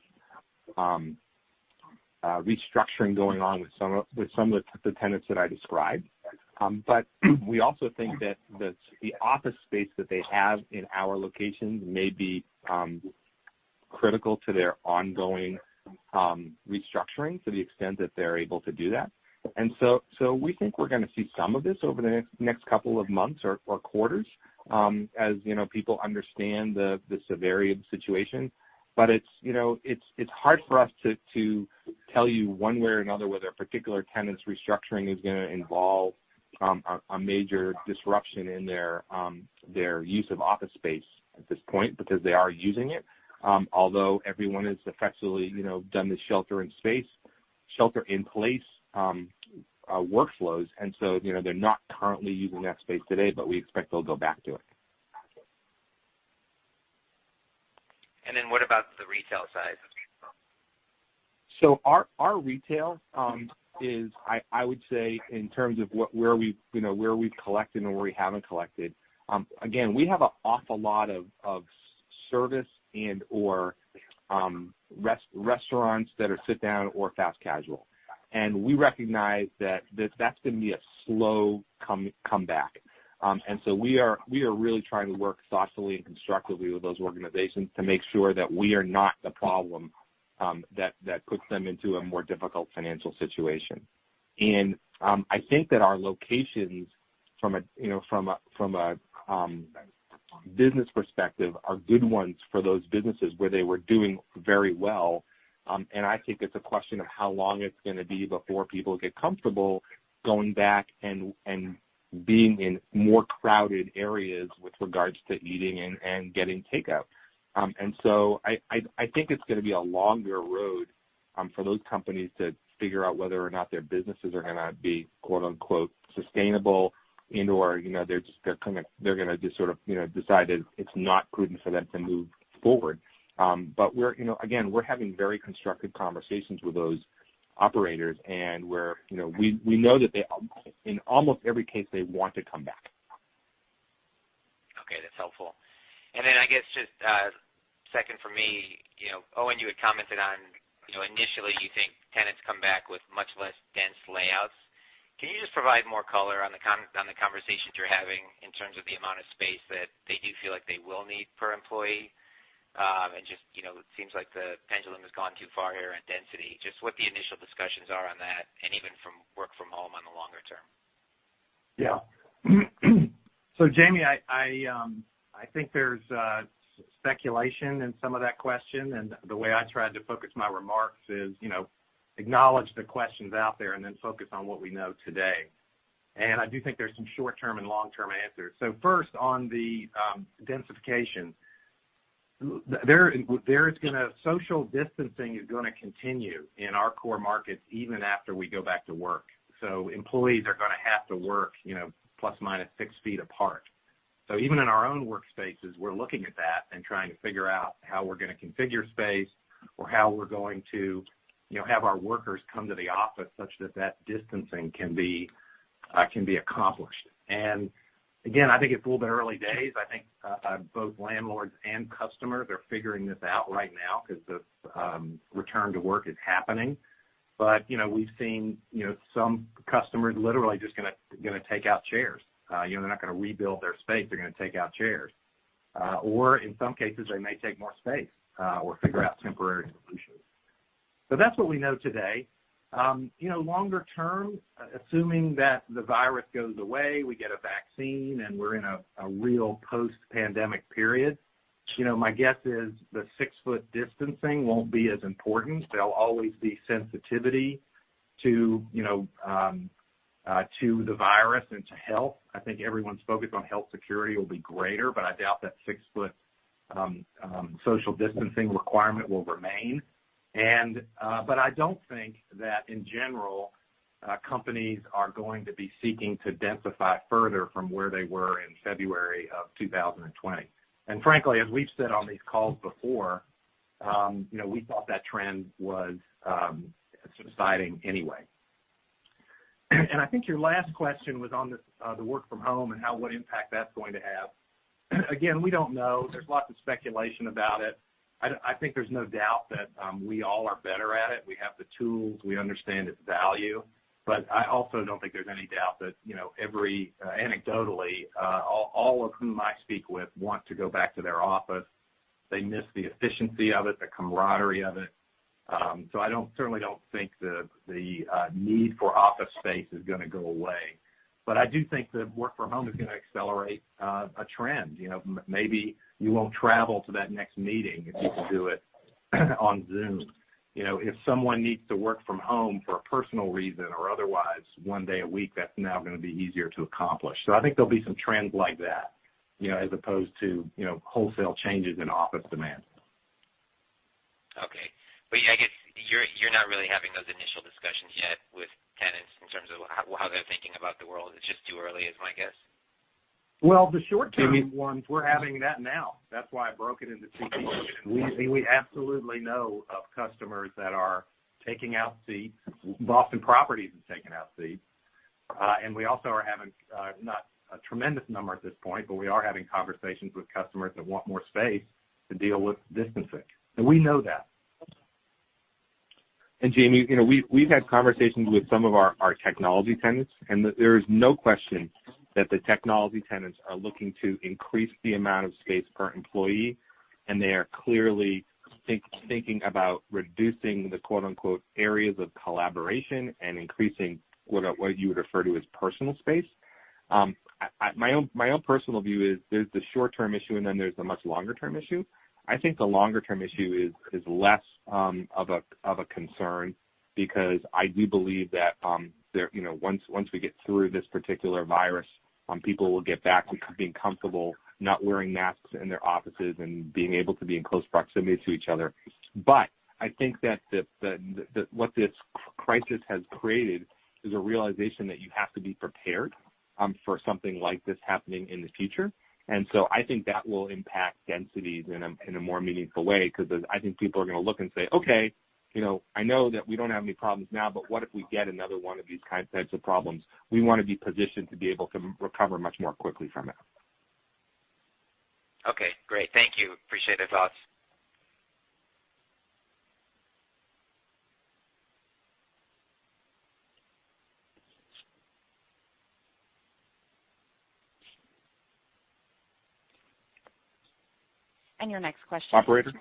restructuring going on with some of the tenants that I described. We also think that the office space that they have in our locations may be critical to their ongoing restructuring, to the extent that they're able to do that. We think we're going to see some of this over the next couple of months or quarters, as people understand the severity of the situation. It's hard for us to tell you one way or another whether a particular tenant's restructuring is going to involve a major disruption in their use of office space at this point, because they are using it. Although everyone has effectively done the shelter in place workflows, and so they're not currently using that space today, but we expect they'll go back to it. What about the retail side of things? Our retail is, I would say, in terms of where we've collected and where we haven't collected, again, we have an awful lot of service and/or restaurants that are sit-down or fast casual. We recognize that that's going to be a slow comeback. We are really trying to work thoughtfully and constructively with those organizations to make sure that we are not the problem that puts them into a more difficult financial situation. I think that our locations from a business perspective are good ones for those businesses where they were doing very well, and I think it's a question of how long it's going to be before people get comfortable going back and being in more crowded areas with regards to eating and getting takeout. I think it's going to be a longer road for those companies to figure out whether or not their businesses are going to be, quote unquote, sustainable and/or they're going to just sort of decide that it's not prudent for them to move forward. Again, we're having very constructive conversations with those operators, and we know that in almost every case, they want to come back. Okay, that's helpful. I guess just a second for me. Owen, you had commented on, initially you think tenants come back with much less dense layouts. Can you just provide more color on the conversations you're having in terms of the amount of space that they do feel like they will need per employee? Just, it seems like the pendulum has gone too far here on density. Just what the initial discussions are on that, and even from work from home on the longer term. Yeah. Jamie, I think there's speculation in some of that question, and the way I tried to focus my remarks is acknowledge the questions out there and then focus on what we know today. I do think there's some short-term and long-term answers. First on the densification. Social distancing is going to continue in our core markets even after we go back to work. Employees are going to have to work plus or minus six feet apart. Even in our own workspaces, we're looking at that and trying to figure out how we're going to configure space or how we're going to have our workers come to the office such that that distancing can be accomplished. Again, I think it's a little bit early days. I think both landlords and customers are figuring this out right now because the return to work is happening. We've seen some customers literally just going to take out chairs. They're not going to rebuild their space. They're going to take out chairs. In some cases, they may take more space or figure out temporary solutions. That's what we know today. Longer term, assuming that the virus goes away, we get a vaccine, and we're in a real post-pandemic period, my guess is the 6 ft distancing won't be as important. There'll always be sensitivity to the virus and to health. I think everyone's focus on health security will be greater, but I doubt that 6 ft social distancing requirement will remain. I don't think that in general, companies are going to be seeking to densify further from where they were in February of 2020. Frankly, as we've said on these calls before, we thought that trend was subsiding anyway. I think your last question was on the work from home and what impact that's going to have. Again, we don't know. There's lots of speculation about it. I think there's no doubt that we all are better at it. We have the tools. We understand its value. I also don't think there's any doubt that every anecdotally, all of whom I speak with want to go back to their office. They miss the efficiency of it, the camaraderie of it. I certainly don't think the need for office space is going to go away. I do think that work from home is going to accelerate a trend. Maybe you won't travel to that next meeting if you can do it on Zoom. If someone needs to work from home for a personal reason or otherwise one day a week, that's now going to be easier to accomplish. I think there'll be some trends like that, as opposed to wholesale changes in office demand. Okay. I guess you're not really having those initial discussions yet with tenants in terms of how they're thinking about the world. It's just too early is my guess. Well, the short-term ones, we're having that now. That's why I broke it into two pieces. We absolutely know of customers that are taking out seats. Boston Properties is taking out seats. We also are having, not a tremendous number at this point, but we are having conversations with customers that want more space to deal with distancing. We know that. Jamie, we've had conversations with some of our technology tenants, and there is no question that the technology tenants are looking to increase the amount of space per employee, and they are clearly thinking about reducing the quote, unquote "areas of collaboration" and increasing what you would refer to as personal space. My own personal view is there's the short-term issue, and then there's the much longer-term issue. I think the longer-term issue is less of a concern because I do believe that once we get through this particular virus, people will get back to being comfortable not wearing masks in their offices and being able to be in close proximity to each other. I think that what this crisis has created is a realization that you have to be prepared for something like this happening in the future. I think that will impact densities in a more meaningful way because I think people are going to look and say, "Okay, I know that we don't have any problems now, but what if we get another one of these kinds of types of problems?" We want to be positioned to be able to recover much more quickly from it. Okay, great. Thank you. Appreciate the thoughts. Your next question <crosstalk> is from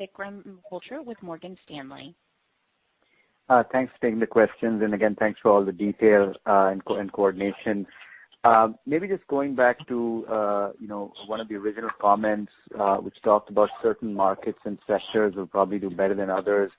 Vikram Malhotra with Morgan Stanley. Thanks for taking the questions. Again, thanks for all the detail and coordination. Maybe just going back to one of the original comments, which talked about certain markets and sectors will probably do better than others.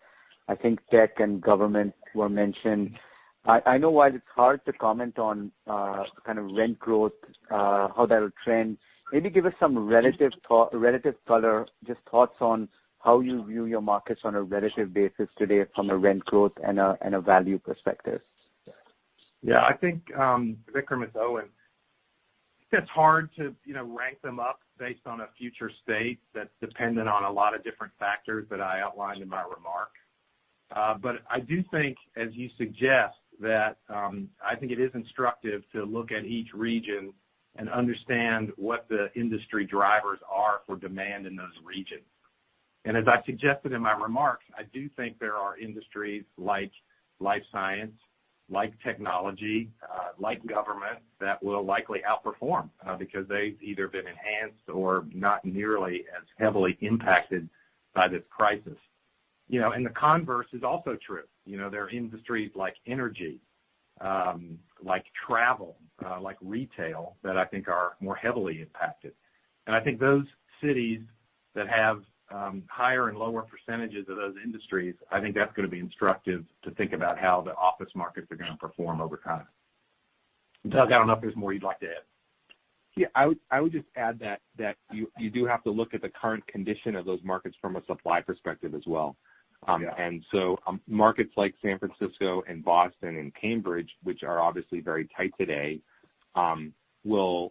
I think tech and government were mentioned. I know why it's hard to comment on kind of rent growth, how that'll trend. Maybe give us some relative color, just thoughts on how you view your markets on a relative basis today from a rent growth and a value perspective. Yeah. Vikram, it's Owen. I think that's hard to rank them up based on a future state that's dependent on a lot of different factors that I outlined in my remarks. I do think, as you suggest, that it is instructive to look at each region and understand what the industry drivers are for demand in those regions. As I suggested in my remarks, I do think there are industries like life science, like technology, like government, that will likely outperform because they've either been enhanced or not nearly as heavily impacted by this crisis. The converse is also true. There are industries like energy, like travel, like retail, that I think are more heavily impacted. I think those cities that have higher and lower percentages of those industries, I think that's going to be instructive to think about how the office markets are going to perform over time. Doug, I don't know if there's more you'd like to add. Yeah, I would just add that you do have to look at the current condition of those markets from a supply perspective as well. Yeah. Markets like San Francisco and Boston and Cambridge, which are obviously very tight today, there'll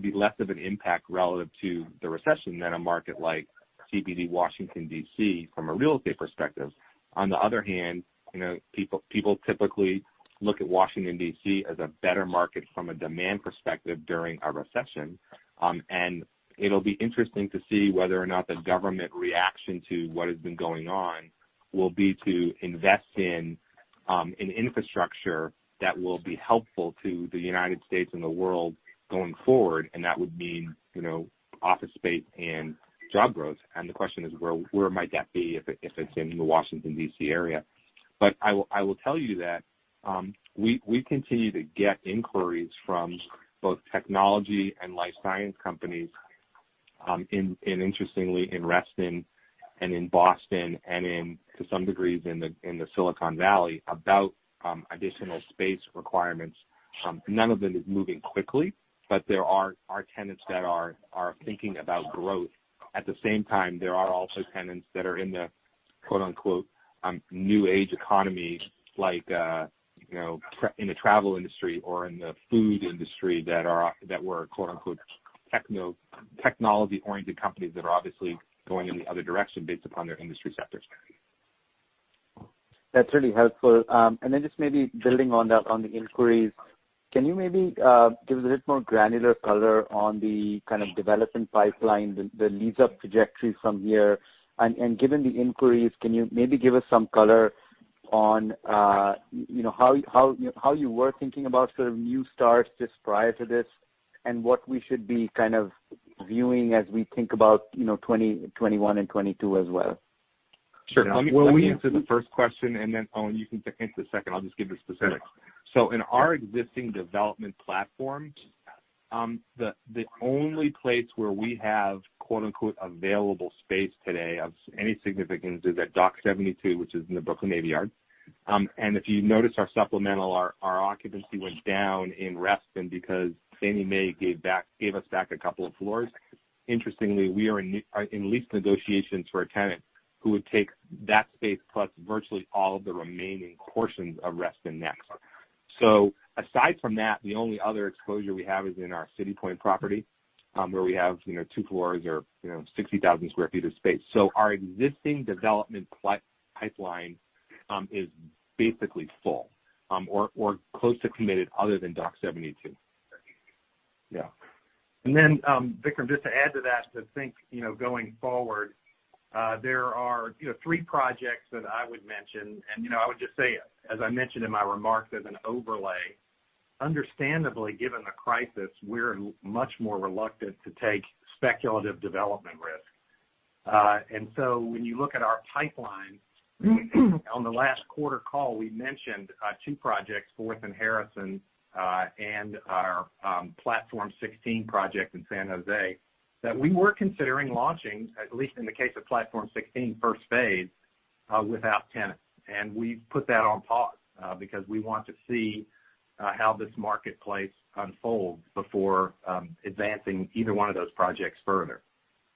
be less of an impact relative to the recession than a market like CBD, Washington, D.C., from a real estate perspective. On the other hand, people typically look at Washington, D.C., as a better market from a demand perspective during a recession. It'll be interesting to see whether or not the government reaction to what has been going on will be to invest in infrastructure that will be helpful to the United States and the world going forward, and that would mean office space and job growth. The question is, where might that be if it's in the Washington, D.C., area? I will tell you that we continue to get inquiries from both technology and life science companies, and interestingly, in Reston and in Boston and to some degree in the Silicon Valley, about additional space requirements. None of them is moving quickly, but there are tenants that are thinking about growth. At the same time, there are also tenants that are in the quote, unquote "new age economy," like in the travel industry or in the food industry that were quote, unquote "technology oriented companies" that are obviously going in the other direction based upon their industry sector strategy. That's really helpful. Just maybe building on that, on the inquiries, can you maybe give us a bit more granular color on the kind of development pipeline, the leads up trajectory from here? Given the inquiries, can you maybe give us some color on how you were thinking about sort of new starts just prior to this, and what we should be kind of viewing as we think about 2021 and 2022 as well. Sure. Let me answer the first question, and then, Owen, you can answer the second. In our existing development platforms, the only place where we have "available space" today of any significance is at Dock 72, which is in the Brooklyn Navy Yard. If you notice our supplemental, our occupancy went down in Reston because Fannie Mae gave us back a couple of floors. Interestingly, we are in lease negotiations for a tenant who would take that space plus virtually all of the remaining portions of Reston next. Aside from that, the only other exposure we have is in our CityPoint property, where we have two floors or 60,000 sq ft of space. Our existing development pipeline is basically full, or close to committed, other than Dock 72. Yeah. Vikram, just to add to that, to think going forward, there are three projects that I would mention. I would just say, as I mentioned in my remarks as an overlay, understandably, given the crisis, we're much more reluctant to take speculative development risk. When you look at our pipeline, on the last quarter call, we mentioned two projects, Fourth and Harrison, and our Platform 16 project in San Jose, that we were considering launching, at least in the case of Platform 16 first phase, without tenants. We've put that on pause because we want to see how this marketplace unfolds before advancing either one of those projects further.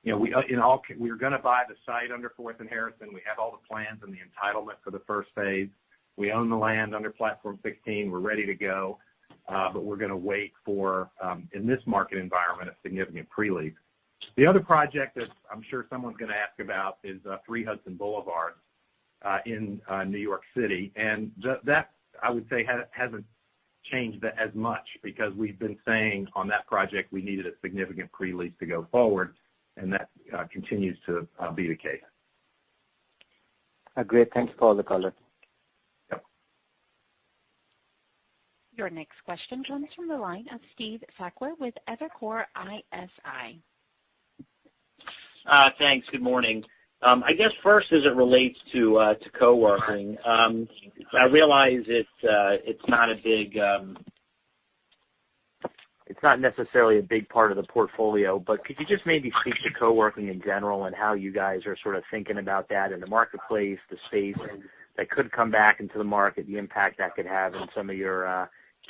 We were going to buy the site under Fourth and Harrison. We have all the plans and the entitlement for the first phase. We own the land under Platform 16. We're ready to go. We're going to wait for, in this market environment, a significant pre-lease. The other project that I'm sure someone's going to ask about is 3 Hudson Boulevard in New York City. That, I would say, hasn't changed as much because we've been saying on that project we needed a significant pre-lease to go forward, and that continues to be the case. Great. Thanks for all the color. Yep. Your next question comes from the line of Steve Sakwa with Evercore ISI. Thanks. Good morning. I guess first as it relates to co-working, I realize it's not necessarily a big part of the portfolio, but could you just maybe speak to co-working in general and how you guys are sort of thinking about that in the marketplace, the space that could come back into the market, the impact that could have on some of your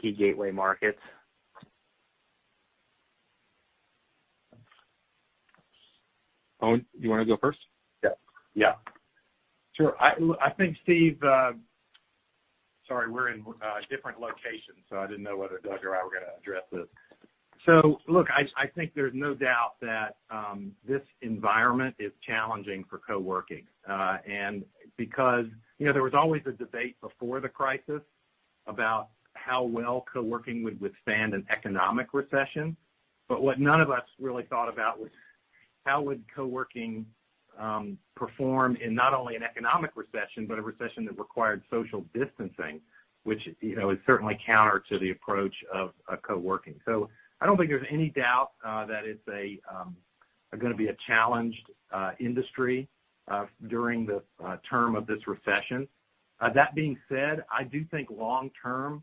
key gateway markets? Owen, do you want to go first? Yeah. Sure. I think, Steve, sorry, we're in different locations, so I didn't know whether Doug Linde or I were going to address this. Look, I think there's no doubt that this environment is challenging for co-working. Because there was always a debate before the crisis about how well co-working would withstand an economic recession. What none of us really thought about was how would co-working perform in not only an economic recession, but a recession that required social distancing, which is certainly counter to the approach of co-working. I don't think there's any doubt that it's going to be a challenged industry during the term of this recession. That being said, I do think long term,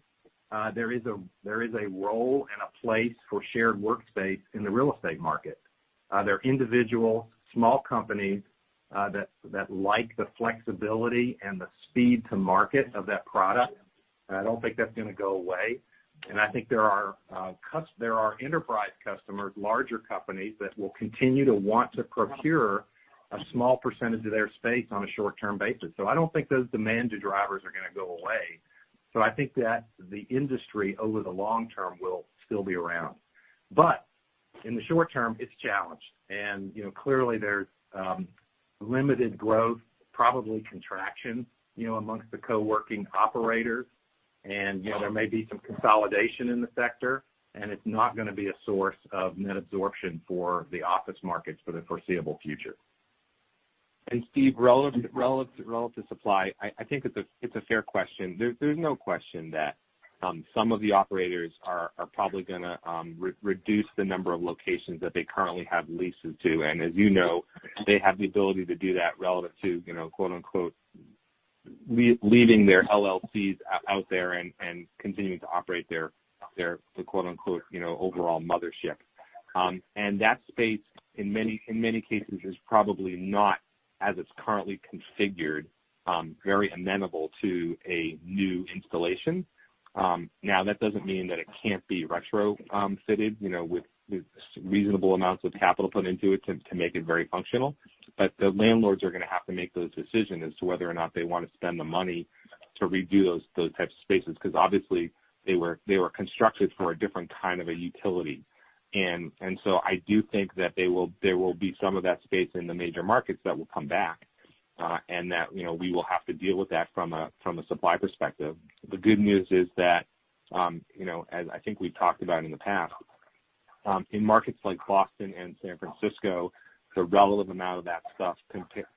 there is a role and a place for shared workspace in the real estate market. There are individual small companies that like the flexibility and the speed to market of that product. I don't think that's going to go away. I think there are enterprise customers, larger companies, that will continue to want to procure a small percentage of their space on a short-term basis. I don't think those demand drivers are going to go away. I think that the industry, over the long term, will still be around. In the short term, it's challenged. Clearly, there's limited growth, probably contraction amongst the co-working operators. There may be some consolidation in the sector, and it's not going to be a source of net absorption for the office markets for the foreseeable future. Steve, relative to supply, I think it's a fair question. There's no question that some of the operators are probably going to reduce the number of locations that they currently have leases to. As you know, they have the ability to do that relative to "leaving their limited liability companies out there" and continuing to operate their "overall mothership." That space, in many cases, is probably not, as it's currently configured, very amenable to a new installation. Now, that doesn't mean that it can't be retrofitted with reasonable amounts of capital put into it to make it very functional. The landlords are going to have to make those decisions as to whether or not they want to spend the money to redo those types of spaces, because obviously they were constructed for a different kind of a utility. I do think that there will be some of that space in the major markets that will come back, and that we will have to deal with that from a supply perspective. The good news is that, as I think we've talked about in the past, in markets like Boston and San Francisco, the relevant amount of that stuff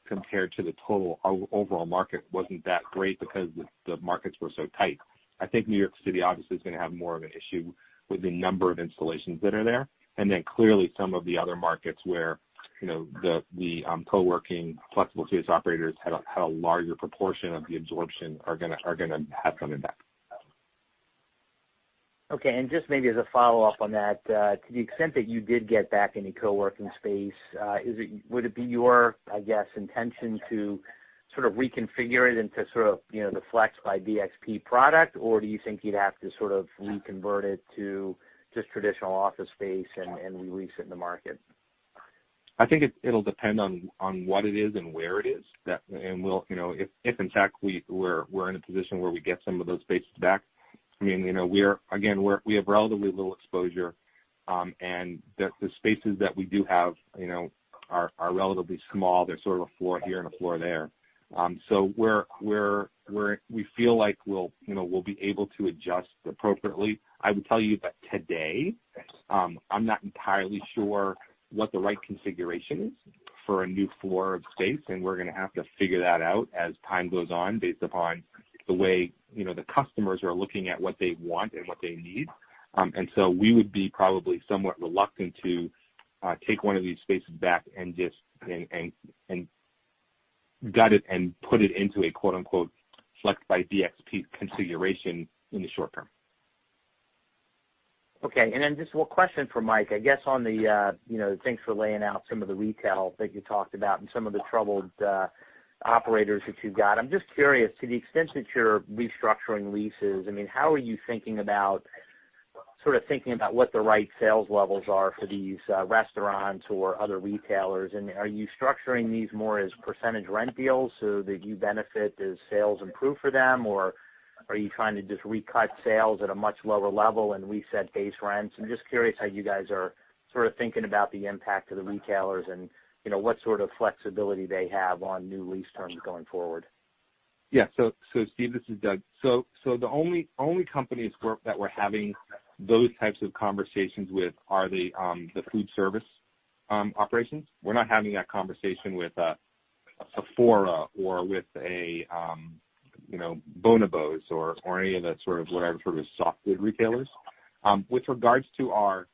compared to the total overall market wasn't that great because the markets were so tight. I think New York City obviously is going to have more of an issue with the number of installations that are there. Clearly some of the other markets where the co-working flexible space operators had a larger proportion of the absorption are going to have some impact. Okay, just maybe as a follow-up on that, to the extent that you did get back any co-working space, would it be your, I guess, intention to sort of reconfigure it into sort of the Flex by BXP product? Or do you think you'd have to sort of reconvert it to just traditional office space and re-lease it in the market? I think it'll depend on what it is and where it is. If in fact, we're in a position where we get some of those spaces back, again, we have relatively little exposure. The spaces that we do have are relatively small. They're sort of a floor here and a floor there. We feel like we'll be able to adjust appropriately. I would tell you that today, I'm not entirely sure what the right configuration is for a new floor of space, and we're going to have to figure that out as time goes on based upon the way the customers are looking at what they want and what they need. So we would be probably somewhat reluctant to take one of these spaces back and just gut it and put it into a Flex by BXP configuration in the short term. Okay, just one question for Mike. Thanks for laying out some of the retail that you talked about and some of the troubled operators that you've got. I'm just curious, to the extent that you're restructuring leases, how are you thinking about what the right sales levels are for these restaurants or other retailers? Are you structuring these more as percentage rent deals so that you benefit as sales improve for them? Or are you trying to just recut sales at a much lower level and reset base rents? I'm just curious how you guys are sort of thinking about the impact of the retailers and what sort of flexibility they have on new lease terms going forward. Yeah. Steve, this is Doug. The only companies that we're having those types of conversations with are the food service operations. We're not having that conversation with a Sephora or with a Bonobos or any of that sort of whatever sort of soft food retailers. With regards to our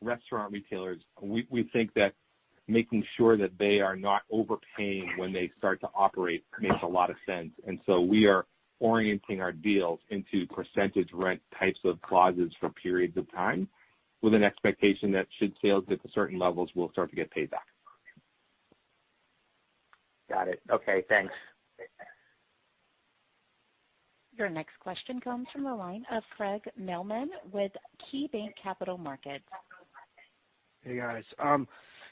restaurant retailers, we think that making sure that they are not overpaying when they start to operate makes a lot of sense. We are orienting our deals into percentage rent types of clauses for periods of time, with an expectation that should sales get to certain levels, we'll start to get paid back. Got it. Okay, thanks. Your next question comes from the line of Craig Mailman with KeyBanc Capital Markets. Hey, guys.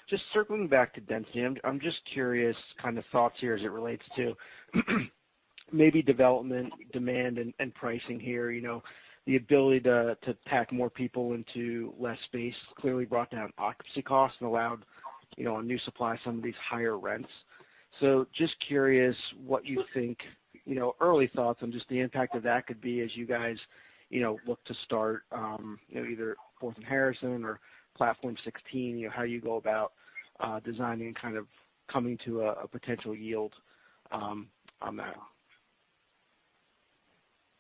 Just circling back to density. I'm just curious, kind of thoughts here as it relates to maybe development, demand, and pricing here. The ability to pack more people into less space clearly brought down occupancy costs and allowed a new supply some of these higher rents. Just curious what you think, early thoughts on just the impact of that could be as you guys look to start either Fourth and Harrison or Platform 16, how you go about designing kind of coming to a potential yield on that.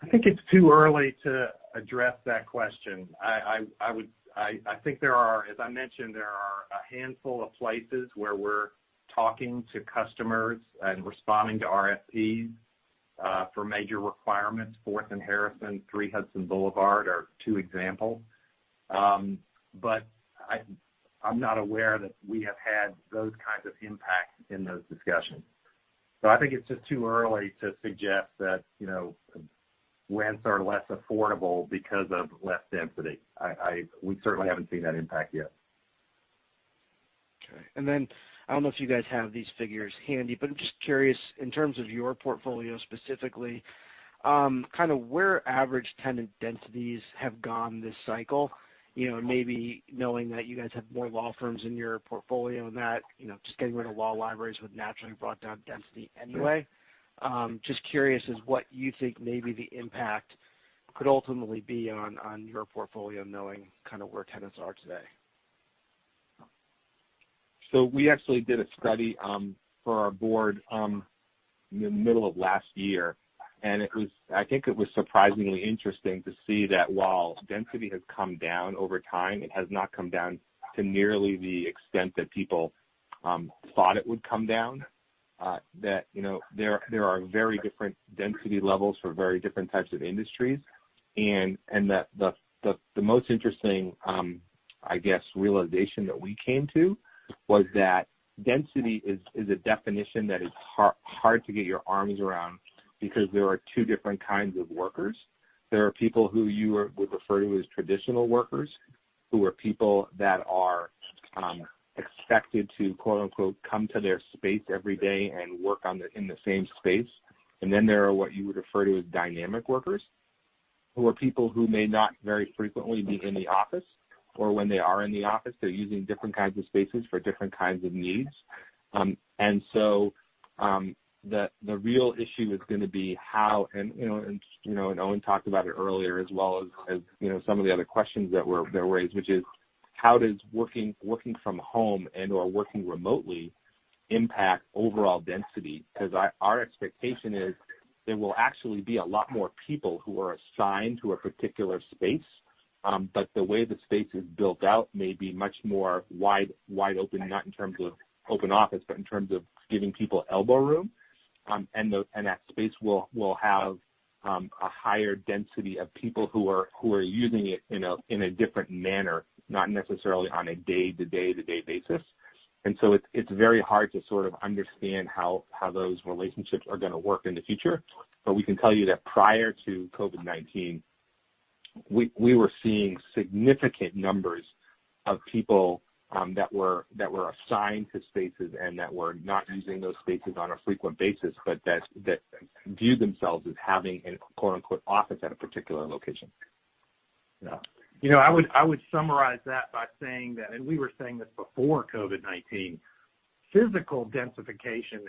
I think it's too early to address that question. I think there are, as I mentioned, there are a handful of places where we're talking to customers and responding to RFPs for major requirements. Fourth and Harrison, 3 Hudson Boulevard are two examples. I'm not aware that we have had those kinds of impacts in those discussions. I think it's just too early to suggest that rents are less affordable because of less density. We certainly haven't seen that impact yet. Okay. I don't know if you guys have these figures handy, but I'm just curious in terms of your portfolio specifically, kind of where average tenant densities have gone this cycle. Maybe knowing that you guys have more law firms in your portfolio and that, just getting rid of law libraries would have naturally brought down density anyway. Just curious as what you think maybe the impact could ultimately be on your portfolio, knowing kind of where tenants are today. We actually did a study for our board in the middle of last year, and I think it was surprisingly interesting to see that while density has come down over time, it has not come down to nearly the extent that people thought it would come down, that there are very different density levels for very different types of industries. That the most interesting, I guess, realization that we came to was that density is a definition that is hard to get your arms around because there are two different kinds of workers. There are people who you would refer to as traditional workers, who are people that are expected to "come to their space every day and work in the same space." There are what you would refer to as dynamic workers, who are people who may not very frequently be in the office, or when they are in the office, they're using different kinds of spaces for different kinds of needs. The real issue is going to be how, and Owen talked about it earlier, as well as some of the other questions that were raised, which is how does working from home and/or working remotely impact overall density? Our expectation is there will actually be a lot more people who are assigned to a particular space, but the way the space is built out may be much more wide open, not in terms of open office, but in terms of giving people elbow room. That space will have a higher density of people who are using it in a different manner, not necessarily on a day-to-day basis. It's very hard to sort of understand how those relationships are going to work in the future. We can tell you that prior to COVID-19, we were seeing significant numbers of people that were assigned to spaces and that were not using those spaces on a frequent basis, but that view themselves as having an "office" at a particular location. Yeah. I would summarize that by saying that, and we were saying this before COVID-19, physical densification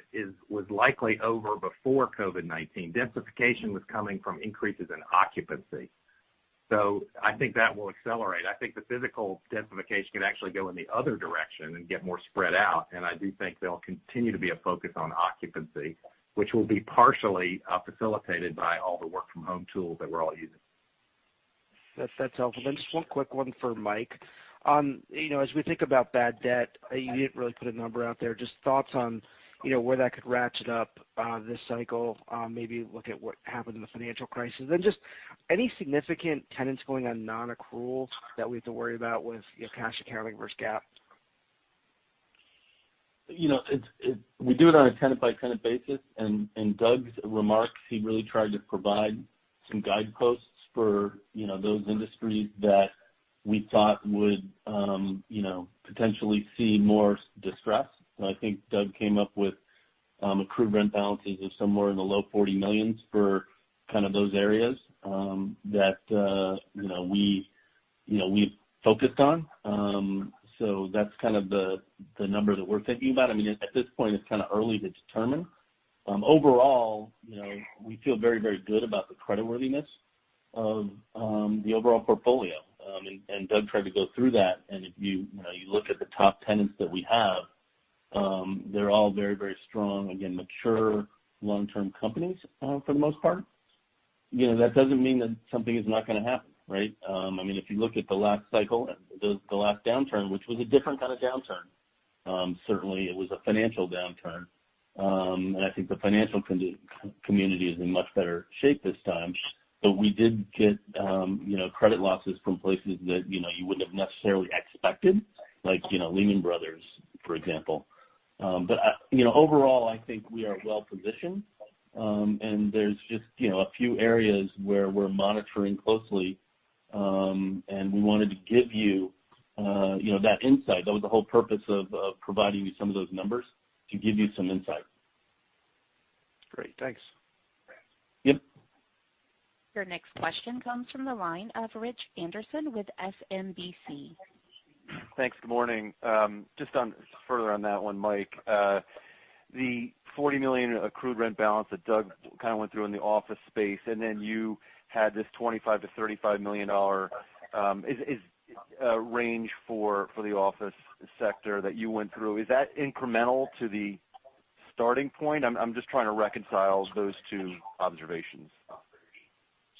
was likely over before COVID-19. Densification was coming from increases in occupancy. I think that will accelerate. I think the physical densification can actually go in the other direction and get more spread out. I do think there'll continue to be a focus on occupancy, which will be partially facilitated by all the work from home tools that we're all using. That's helpful. Just one quick one for Mike. As we think about bad debt, you didn't really put a number out there, just thoughts on where that could ratchet up this cycle, maybe look at what happened in the financial crisis. Just any significant tenants going on non-accrual that we have to worry about with cash accounting versus GAAP? We do it on a tenant-by-tenant basis. Doug's remarks, he really tried to provide some guideposts for those industries that we thought would potentially see more distress. I think Doug came up with accrued rent balances of somewhere in the low $40 million for those areas that we've focused on. That's kind of the number that we're thinking about. At this point, it's kind of early to determine. Overall, we feel very good about the creditworthiness of the overall portfolio. Doug tried to go through that, and if you look at the top tenants that we have, they're all very strong, again, mature, long-term companies for the most part. That doesn't mean that something is not going to happen, right? If you look at the last cycle, the last downturn, which was a different kind of downturn. Certainly, it was a financial downturn. I think the financial community is in much better shape this time. We did get credit losses from places that you wouldn't have necessarily expected, like Lehman Brothers, for example. Overall, I think we are well-positioned. There's just a few areas where we're monitoring closely, and we wanted to give you that insight. That was the whole purpose of providing you some of those numbers to give you some insight. Great. Thanks. Yep. Your next question comes from the line of Rich Anderson with SMBC. Thanks. Good morning. Just further on that one, Mike. The $40 million accrued rent balance that Doug kind of went through in the office space, and then you had this $25 million-$35 million range for the office sector that you went through. Is that incremental to the starting point? I'm just trying to reconcile those two observations.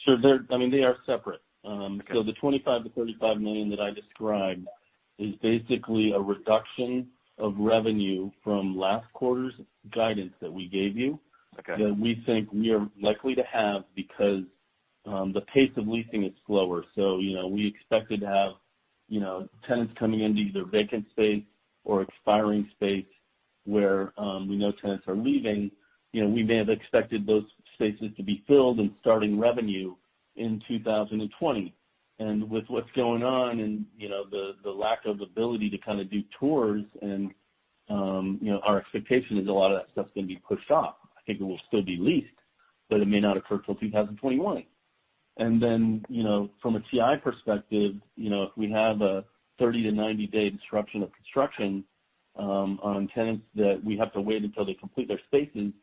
Sure. They are separate. The $25 million-$35 million that I described is basically a reduction of revenue from last quarter's guidance that we gave you. Okay. That we think we are likely to have because the pace of leasing is slower. We expected to have tenants coming into either vacant space or expiring space where we know tenants are leaving. We may have expected those spaces to be filled and starting revenue in 2020. With what's going on and the lack of ability to kind of do tours and our expectation is a lot of that stuff's going to be pushed off. I think it will still be leased, but it may not occur till 2021. From a TI perspective, if we have a 30-90 days disruption of construction on tenants that we have to wait until they complete their spaces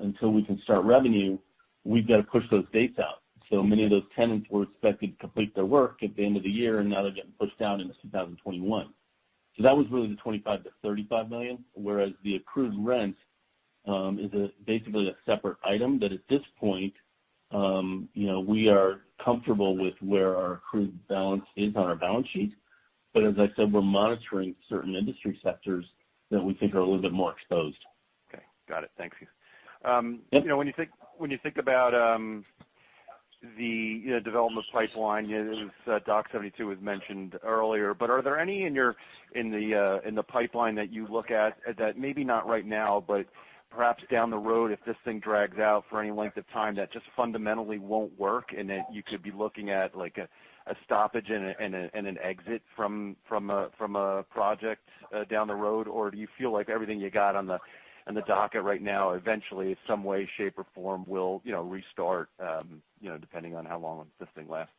until we can start revenue, we've got to push those dates out. Many of those tenants were expected to complete their work at the end of the year, and now they're getting pushed out into 2021. That was really the $25 million-$35 million, whereas the accrued rent is basically a separate item that at this point we are comfortable with where our accrued balance is on our balance sheet. But as I said, we're monitoring certain industry sectors that we think are a little bit more exposed. Okay. Got it. Thanks. When you think about the development pipeline, Dock 72 was mentioned earlier, are there any in the pipeline that you look at that maybe not right now, but perhaps down the road, if this thing drags out for any length of time, that just fundamentally won't work and that you could be looking at a stoppage and an exit from a project down the road? Do you feel like everything you got on the docket right now eventually in some way, shape, or form will restart depending on how long this thing lasts?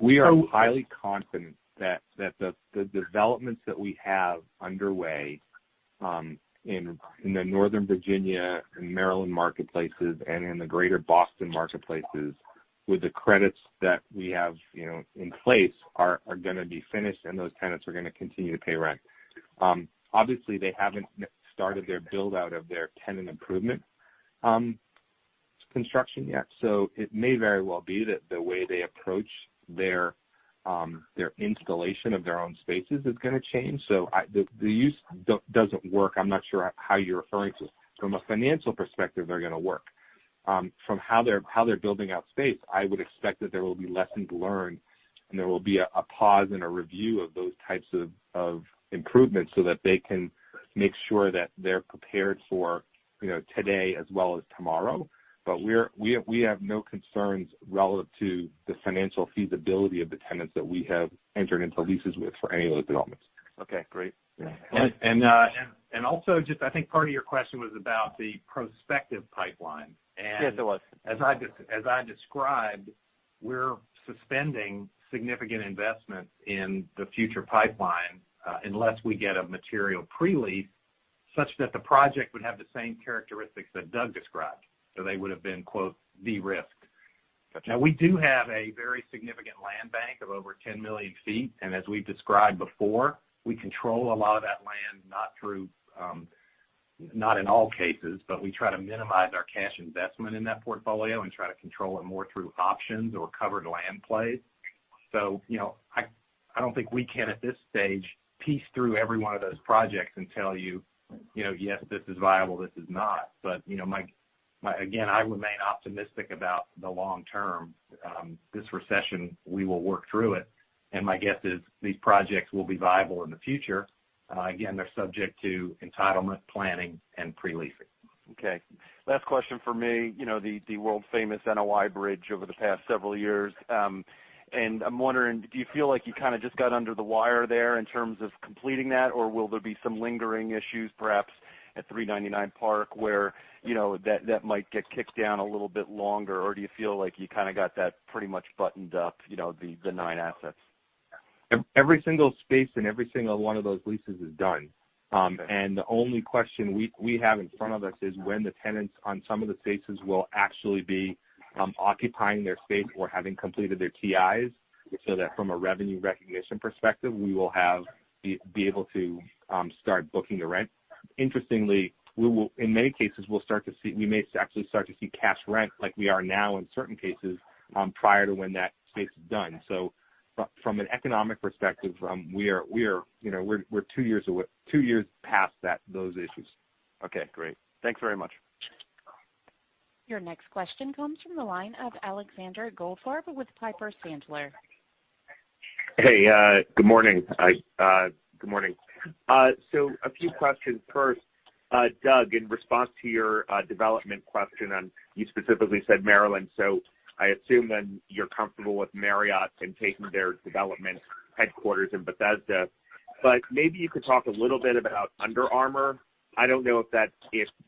We are highly confident that the developments that we have underway, in the Northern Virginia and Maryland marketplaces and in the Greater Boston marketplaces, with the credits that we have in place, are going to be finished, and those tenants are going to continue to pay rent. Obviously, they haven't started their build-out of their tenant improvement construction yet. It may very well be that the way they approach their installation of their own spaces is going to change. The use doesn't work. I'm not sure how you're referring to. From a financial perspective, they're going to work. From how they are building out space, I would expect that there will be lessons learned, and there will be a pause and a review of those types of improvements so that they can make sure that they're prepared for today as well as tomorrow. We have no concerns relative to the financial feasibility of the tenants that we have entered into leases with for any of those developments. Okay, great. Yeah. Also, I think part of your question was about the prospective pipeline. Yes, it was. As I described, we're suspending significant investments in the future pipeline, unless we get a material pre-lease such that the project would have the same characteristics that Doug described. They would've been, "de-risked". Got you. We do have a very significant land bank of over 10 million feet, and as we've described before, we control a lot of that land, not in all cases, but we try to minimize our cash investment in that portfolio and try to control it more through options or covered land plays. I don't think we can, at this stage, piece through every one of those projects and tell you, "Yes, this is viable, this is not." Again, I remain optimistic about the long term. This recession, we will work through it, and my guess is these projects will be viable in the future. Again, they're subject to entitlement planning and pre-leasing. Okay. Last question from me. The world-famous NOI bridge over the past several years. I'm wondering, do you feel like you kind of just got under the wire there in terms of completing that, or will there be some lingering issues, perhaps at 399 Park, where that might get kicked down a little bit longer, or do you feel like you kind of got that pretty much buttoned up, the nine assets? Every single space and every single one of those leases is done. The only question we have in front of us is when the tenants on some of the spaces will actually be occupying their space or having completed their TIs. That from a revenue recognition perspective, we will be able to start booking the rent. Interestingly, in many cases, we may actually start to see cash rent, like we are now in certain cases, prior to when that space is done. From an economic perspective, we're two years past those issues. Okay, great. Thanks very much. Your next question comes from the line of Alexander Goldfarb with Piper Sandler. Hey, good morning. A few questions. First, Doug, in response to your development question, and you specifically said Maryland, so I assume then you're comfortable with Marriott in taking their development headquarters in Bethesda. Maybe you could talk a little bit about Under Armour. I don't know if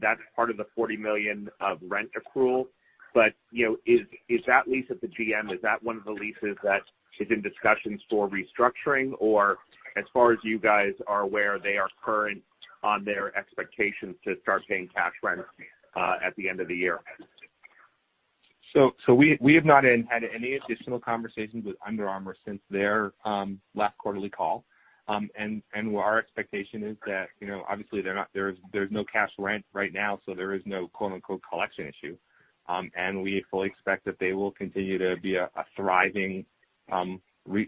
that's part of the $40 million of rent accrual. Is that lease at the GM, is that one of the leases that is in discussions for restructuring? As far as you guys are aware, they are current on their expectations to start paying cash rent at the end of the year? We have not had any additional conversations with Under Armour since their last quarterly call. Our expectation is that, obviously, there's no cash rent right now, so there is no, quote-unquote, "collection issue." We fully expect that they will continue to be a thriving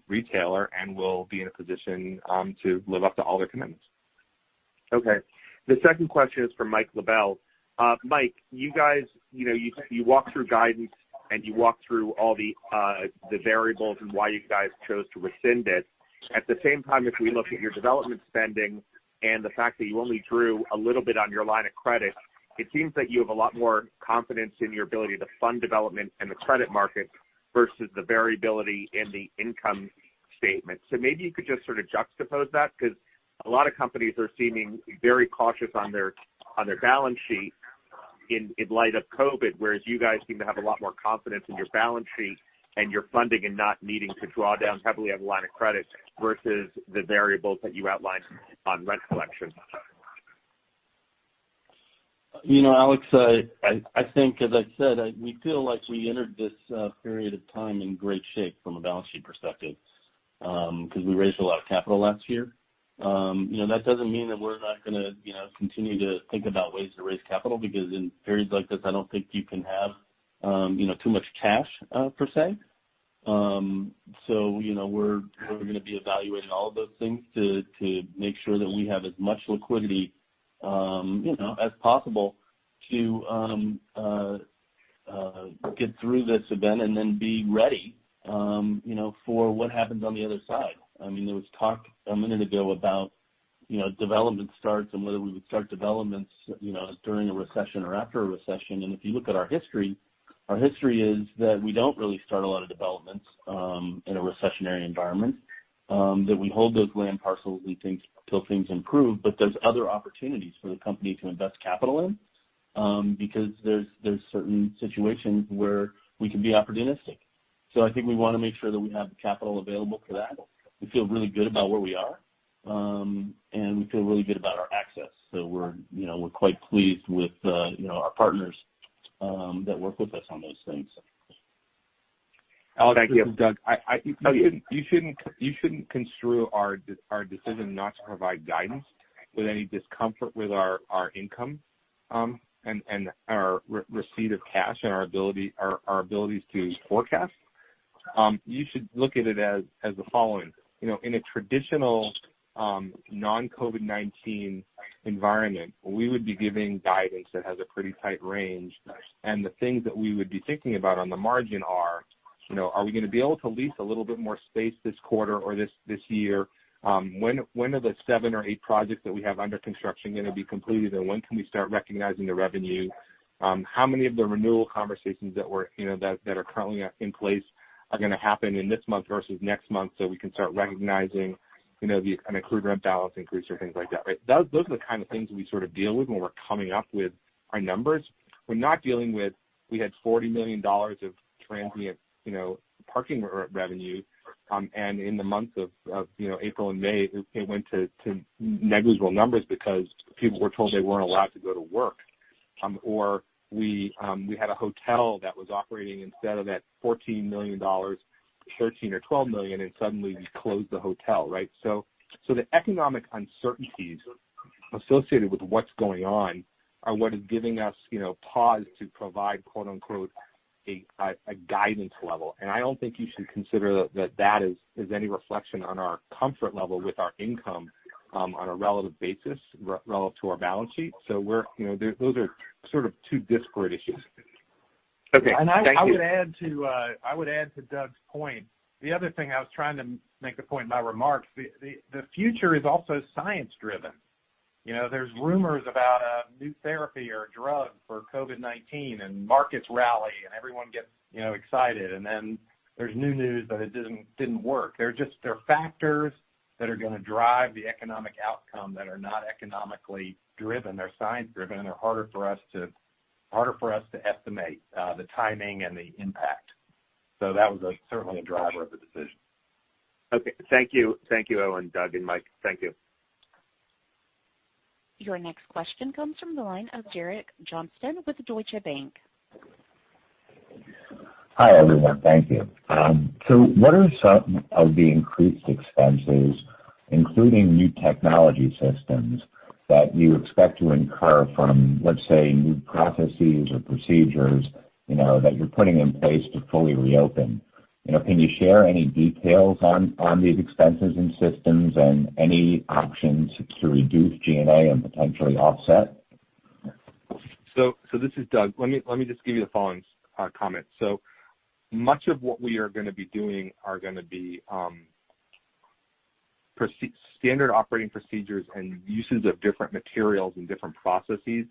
retailer and will be in a position to live up to all their commitments. Okay. The second question is for Mike LaBelle. Mike, you walked through guidance and you walked through all the variables and why you guys chose to rescind it. If we look at your development spending and the fact that you only drew a little bit on your line of credit, it seems that you have a lot more confidence in your ability to fund development in the credit market versus the variability in the income statement. Maybe you could just sort of juxtapose that, because a lot of companies are seeming very cautious on their balance sheet in light of COVID, whereas you guys seem to have a lot more confidence in your balance sheet and your funding and not needing to draw down heavily on the line of credit versus the variables that you outlined on rent collection. Alexander, I think, as I said, we feel like we entered this period of time in great shape from a balance sheet perspective, because we raised a lot of capital last year. That doesn't mean that we're not going to continue to think about ways to raise capital, because in periods like this, I don't think you can have too much cash, per se. We're going to be evaluating all of those things to make sure that we have as much liquidity as possible to get through this event and then be ready for what happens on the other side. There was talk a minute ago about development starts and whether we would start developments during a recession or after a recession. If you look at our history, our history is that we don't really start a lot of developments in a recessionary environment. That we hold those land parcels, we think till things improve. There's other opportunities for the company to invest capital in, because there's certain situations where we can be opportunistic. I think we want to make sure that we have the capital available for that. We feel really good about where we are. We feel really good about our access. We're quite pleased with our partners that work with us on those things. Alexander, this is Doug. You shouldn't construe our decision not to provide guidance with any discomfort with our income and our receipt of cash and our abilities to forecast. You should look at it as the following. In a traditional, non-COVID-19 environment, we would be giving guidance that has a pretty tight range. The things that we would be thinking about on the margin are we going to be able to lease a little bit more space this quarter or this year? When are the seven or eight projects that we have under construction going to be completed, and when can we start recognizing the revenue? How many of the renewal conversations that are currently in place are going to happen in this month versus next month, so we can start recognizing an accrued rent balance increase or things like that, right? Those are the kind of things we sort of deal with when we're coming up with our numbers. We're not dealing with, we had $40 million of transient parking revenue, and in the month of April and May, it went to negligible numbers because people were told they weren't allowed to go to work. We had a hotel that was operating instead of at $14 million, $13 million or $12 million, and suddenly we closed the hotel, right? The economic uncertainties associated with what's going on are what is giving us pause to provide "a guidance level." I don't think you should consider that is any reflection on our comfort level with our income on a relative basis relative to our balance sheet. Those are sort of two disparate issues. Okay. Thank you. I would add to Doug's point. The other thing I was trying to make a point in my remarks, the future is also science driven. There's rumors about a new therapy or a drug for COVID-19 and markets rally and everyone gets excited, and then there's new news that it didn't work. There are factors that are going to drive the economic outcome that are not economically driven. They're science driven, and they're harder for us to estimate the timing and the impact. That was certainly a driver of the decision. Okay. Thank you. Thank you, Owen, Doug, and Mike. Thank you. Your next question comes from the line of Derek Johnston with Deutsche Bank. Hi, everyone. Thank you. What are some of the increased expenses, including new technology systems, that you expect to incur from, let's say, new processes or procedures that you're putting in place to fully reopen? Can you share any details on these expenses and systems and any options to reduce G&A and potentially offset? This is Doug. Let me just give you the following comment. Much of what we are going to be doing are going to be standard operating procedures and uses of different materials and different processes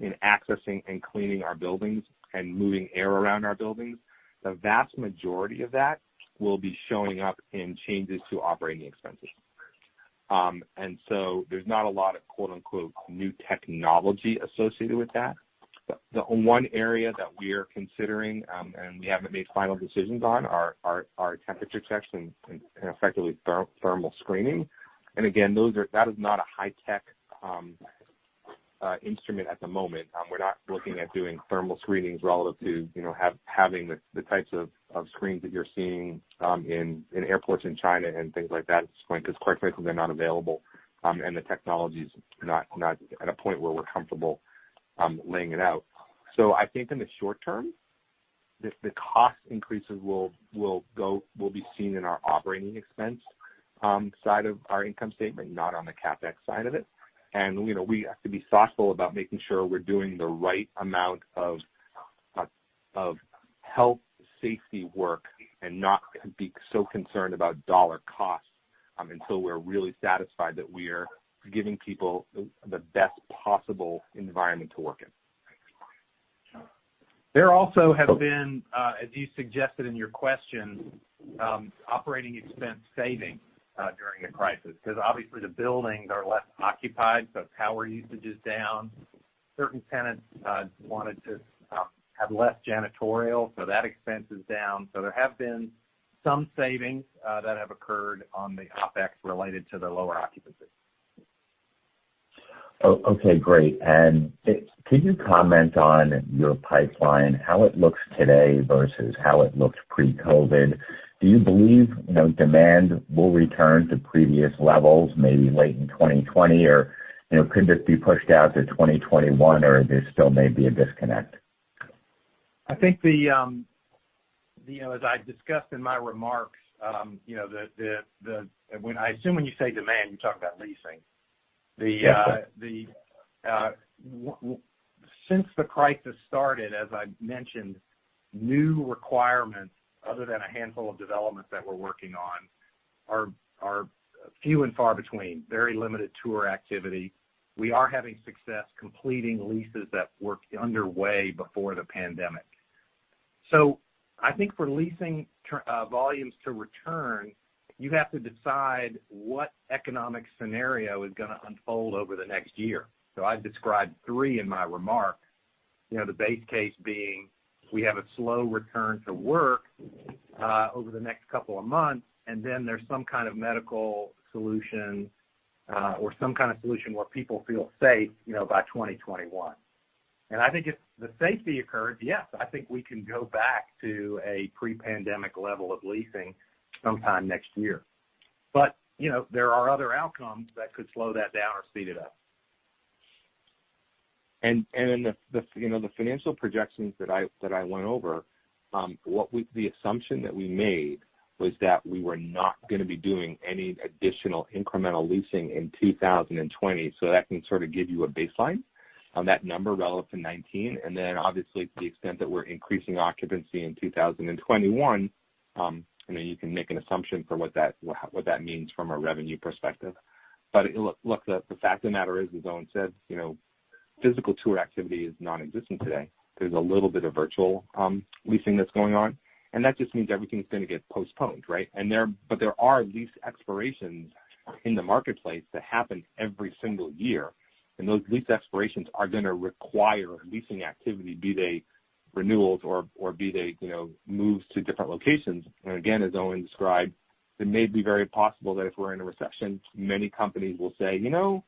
in accessing and cleaning our buildings and moving air around our buildings. The vast majority of that will be showing up in changes to OpEx. There's not a lot of "new technology" associated with that. The one area that we are considering, and we haven't made final decisions on, are temperature checks and effectively thermal screening. Again, that is not a high-tech instrument at the moment. We're not looking at doing thermal screenings relative to having the types of screens that you're seeing in airports in China and things like that, at this point, because quite frankly, they're not available, and the technology's not at a point where we're comfortable laying it out. I think in the short term, the cost increases will be seen in our operating expense side of our income statement, not on the CapEx side of it. We have to be thoughtful about making sure we're doing the right amount of health safety work and not be so concerned about dollar costs, until we're really satisfied that we're giving people the best possible environment to work in. There also have been, as you suggested in your question, operating expense savings during the crisis because obviously the buildings are less occupied, so power usage is down. Certain tenants wanted to have less janitorial, so that expense is down. There have been some savings that have occurred on the OpEx related to the lower occupancy. Okay, great. Could you comment on your pipeline, how it looks today versus how it looked pre-COVID? Do you believe demand will return to previous levels maybe late in 2020? Could this be pushed out to 2021, or there still may be a disconnect? I think as I discussed in my remarks, I assume when you say demand, you're talking about leasing. Yes, sir. Since the crisis started, as I've mentioned, new requirements other than a handful of developments that we're working on are few and far between. Very limited tour activity. We are having success completing leases that were underway before the pandemic. I think for leasing volumes to return, you have to decide what economic scenario is going to unfold over the next year. I described three in my remarks. The base case being we have a slow return to work over the next couple of months, and then there's some kind of medical solution, or some kind of solution where people feel safe by 2021. I think if the safety occurs, yes, I think we can go back to a pre-pandemic level of leasing sometime next year. There are other outcomes that could slow that down or speed it up. In the financial projections that I went over, the assumption that we made was that we were not going to be doing any additional incremental leasing in 2020. That can sort of give you a baseline on that number relative to 2019. Obviously to the extent that we're increasing occupancy in 2021, you can make an assumption for what that means from a revenue perspective. Look, the fact of the matter is, as Owen said, physical tour activity is nonexistent today. There's a little bit of virtual leasing that's going on, and that just means everything's going to get postponed, right? There are lease expirations in the marketplace that happen every single year, and those lease expirations are going to require leasing activity, be they renewals or be they moves to different locations. Again, as Owen described, it may be very possible that if we're in a recession, many companies will say, "You know,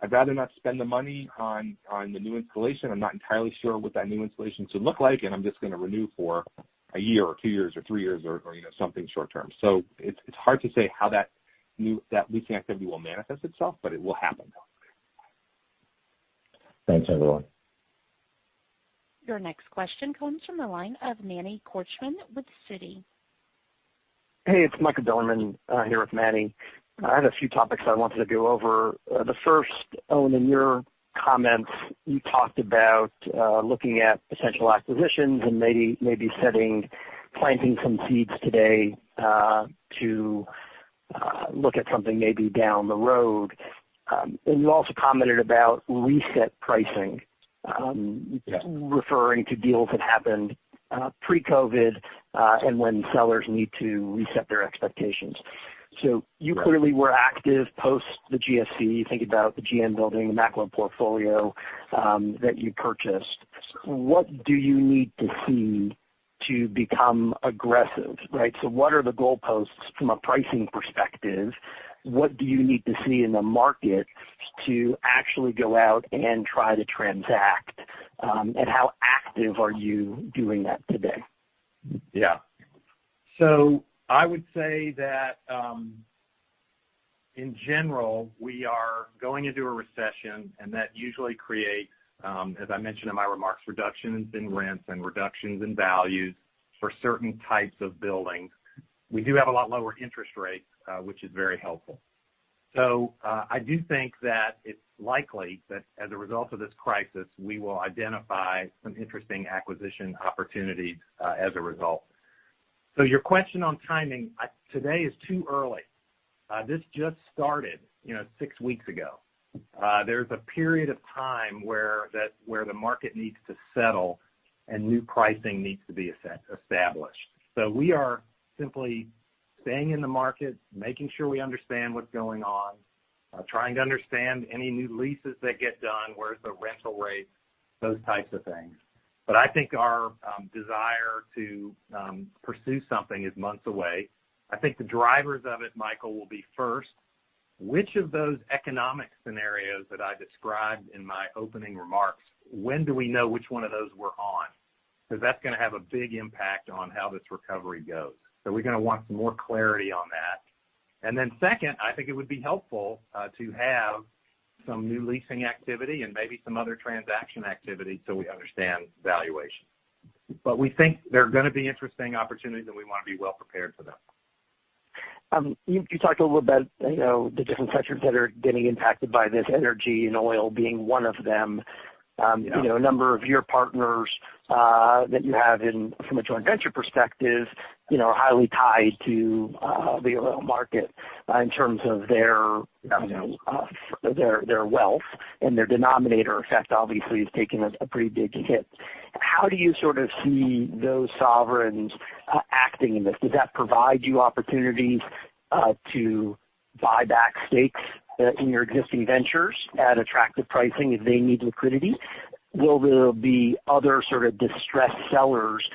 I'd rather not spend the money on the new installation. I'm not entirely sure what that new installation should look like, and I'm just going to renew for a year or two years, or three years, or something short term." It's hard to say how that leasing activity will manifest itself, but it will happen. Thanks, everyone. Your next question comes from the line of Manny Korchman with Citigroup. Hey, it's Michael Bilerman, here with Manny. I have a few topics I wanted to go over. The first, Owen, in your comments, you talked about looking at potential acquisitions and maybe planting some seeds today to look at something maybe down the road. You also commented about reset pricing. Yeah. Referring to deals that happened pre-COVID, when sellers need to reset their expectations. You clearly were active post the GFC. You think about the GM Building, the Macklowe portfolio that you purchased. What do you need to see to become aggressive, right? What are the goalposts from a pricing perspective? What do you need to see in the market to actually go out and try to transact? How active are you doing that today? I would say that, in general, we are going into a recession, and that usually creates, as I mentioned in my remarks, reductions in rents and reductions in values for certain types of buildings. We do have a lot lower interest rates, which is very helpful. I do think that it's likely that as a result of this crisis, we will identify some interesting acquisition opportunities as a result. Your question on timing, today is too early. This just started six weeks ago. There's a period of time where the market needs to settle, and new pricing needs to be established. We are simply staying in the market, making sure we understand what's going on, trying to understand any new leases that get done, where's the rental rates, those types of things. I think our desire to pursue something is months away. I think the drivers of it, Michael, will be first, which of those economic scenarios that I described in my opening remarks, when do we know which one of those we're on? That's going to have a big impact on how this recovery goes. We're going to want some more clarity on that. Second, I think it would be helpful to have some new leasing activity and maybe some other transaction activity so we understand valuation. We think there are going to be interesting opportunities, and we want to be well prepared for them. You talked a little about the different sectors that are getting impacted by this, energy and oil being one of them. Yeah. A number of your partners that you have from a joint venture perspective are highly tied to the oil market in terms of their wealth. Their denominator effect obviously has taken a pretty big hit. How do you sort of see those sovereigns acting in this? Does that provide you opportunities to buy back stakes in your existing ventures at attractive pricing if they need liquidity? Will there be other sort of distressed sellers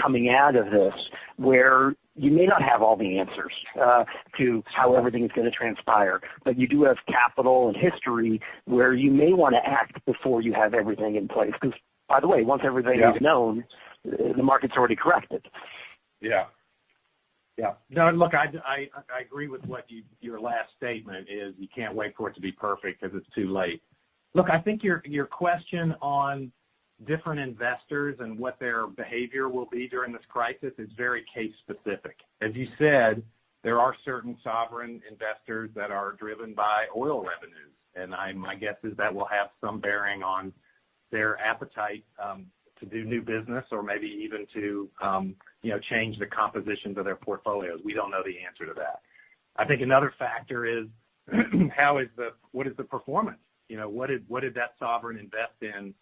coming out of this where you may not have all the answers to how everything's going to transpire, but you do have capital and history where you may want to act before you have everything in place? By the way, once everything is known, the market's already corrected. Yeah. No, look, I agree with what your last statement is. You can't wait for it to be perfect because it's too late. Look, I think your question on different investors and what their behavior will be during this crisis is very case specific. As you said, there are certain sovereign investors that are driven by oil revenues, and my guess is that will have some bearing on their appetite to do new business or maybe even to change the compositions of their portfolios. We don't know the answer to that. I think another factor is what is the performance? What did that sovereign invest in?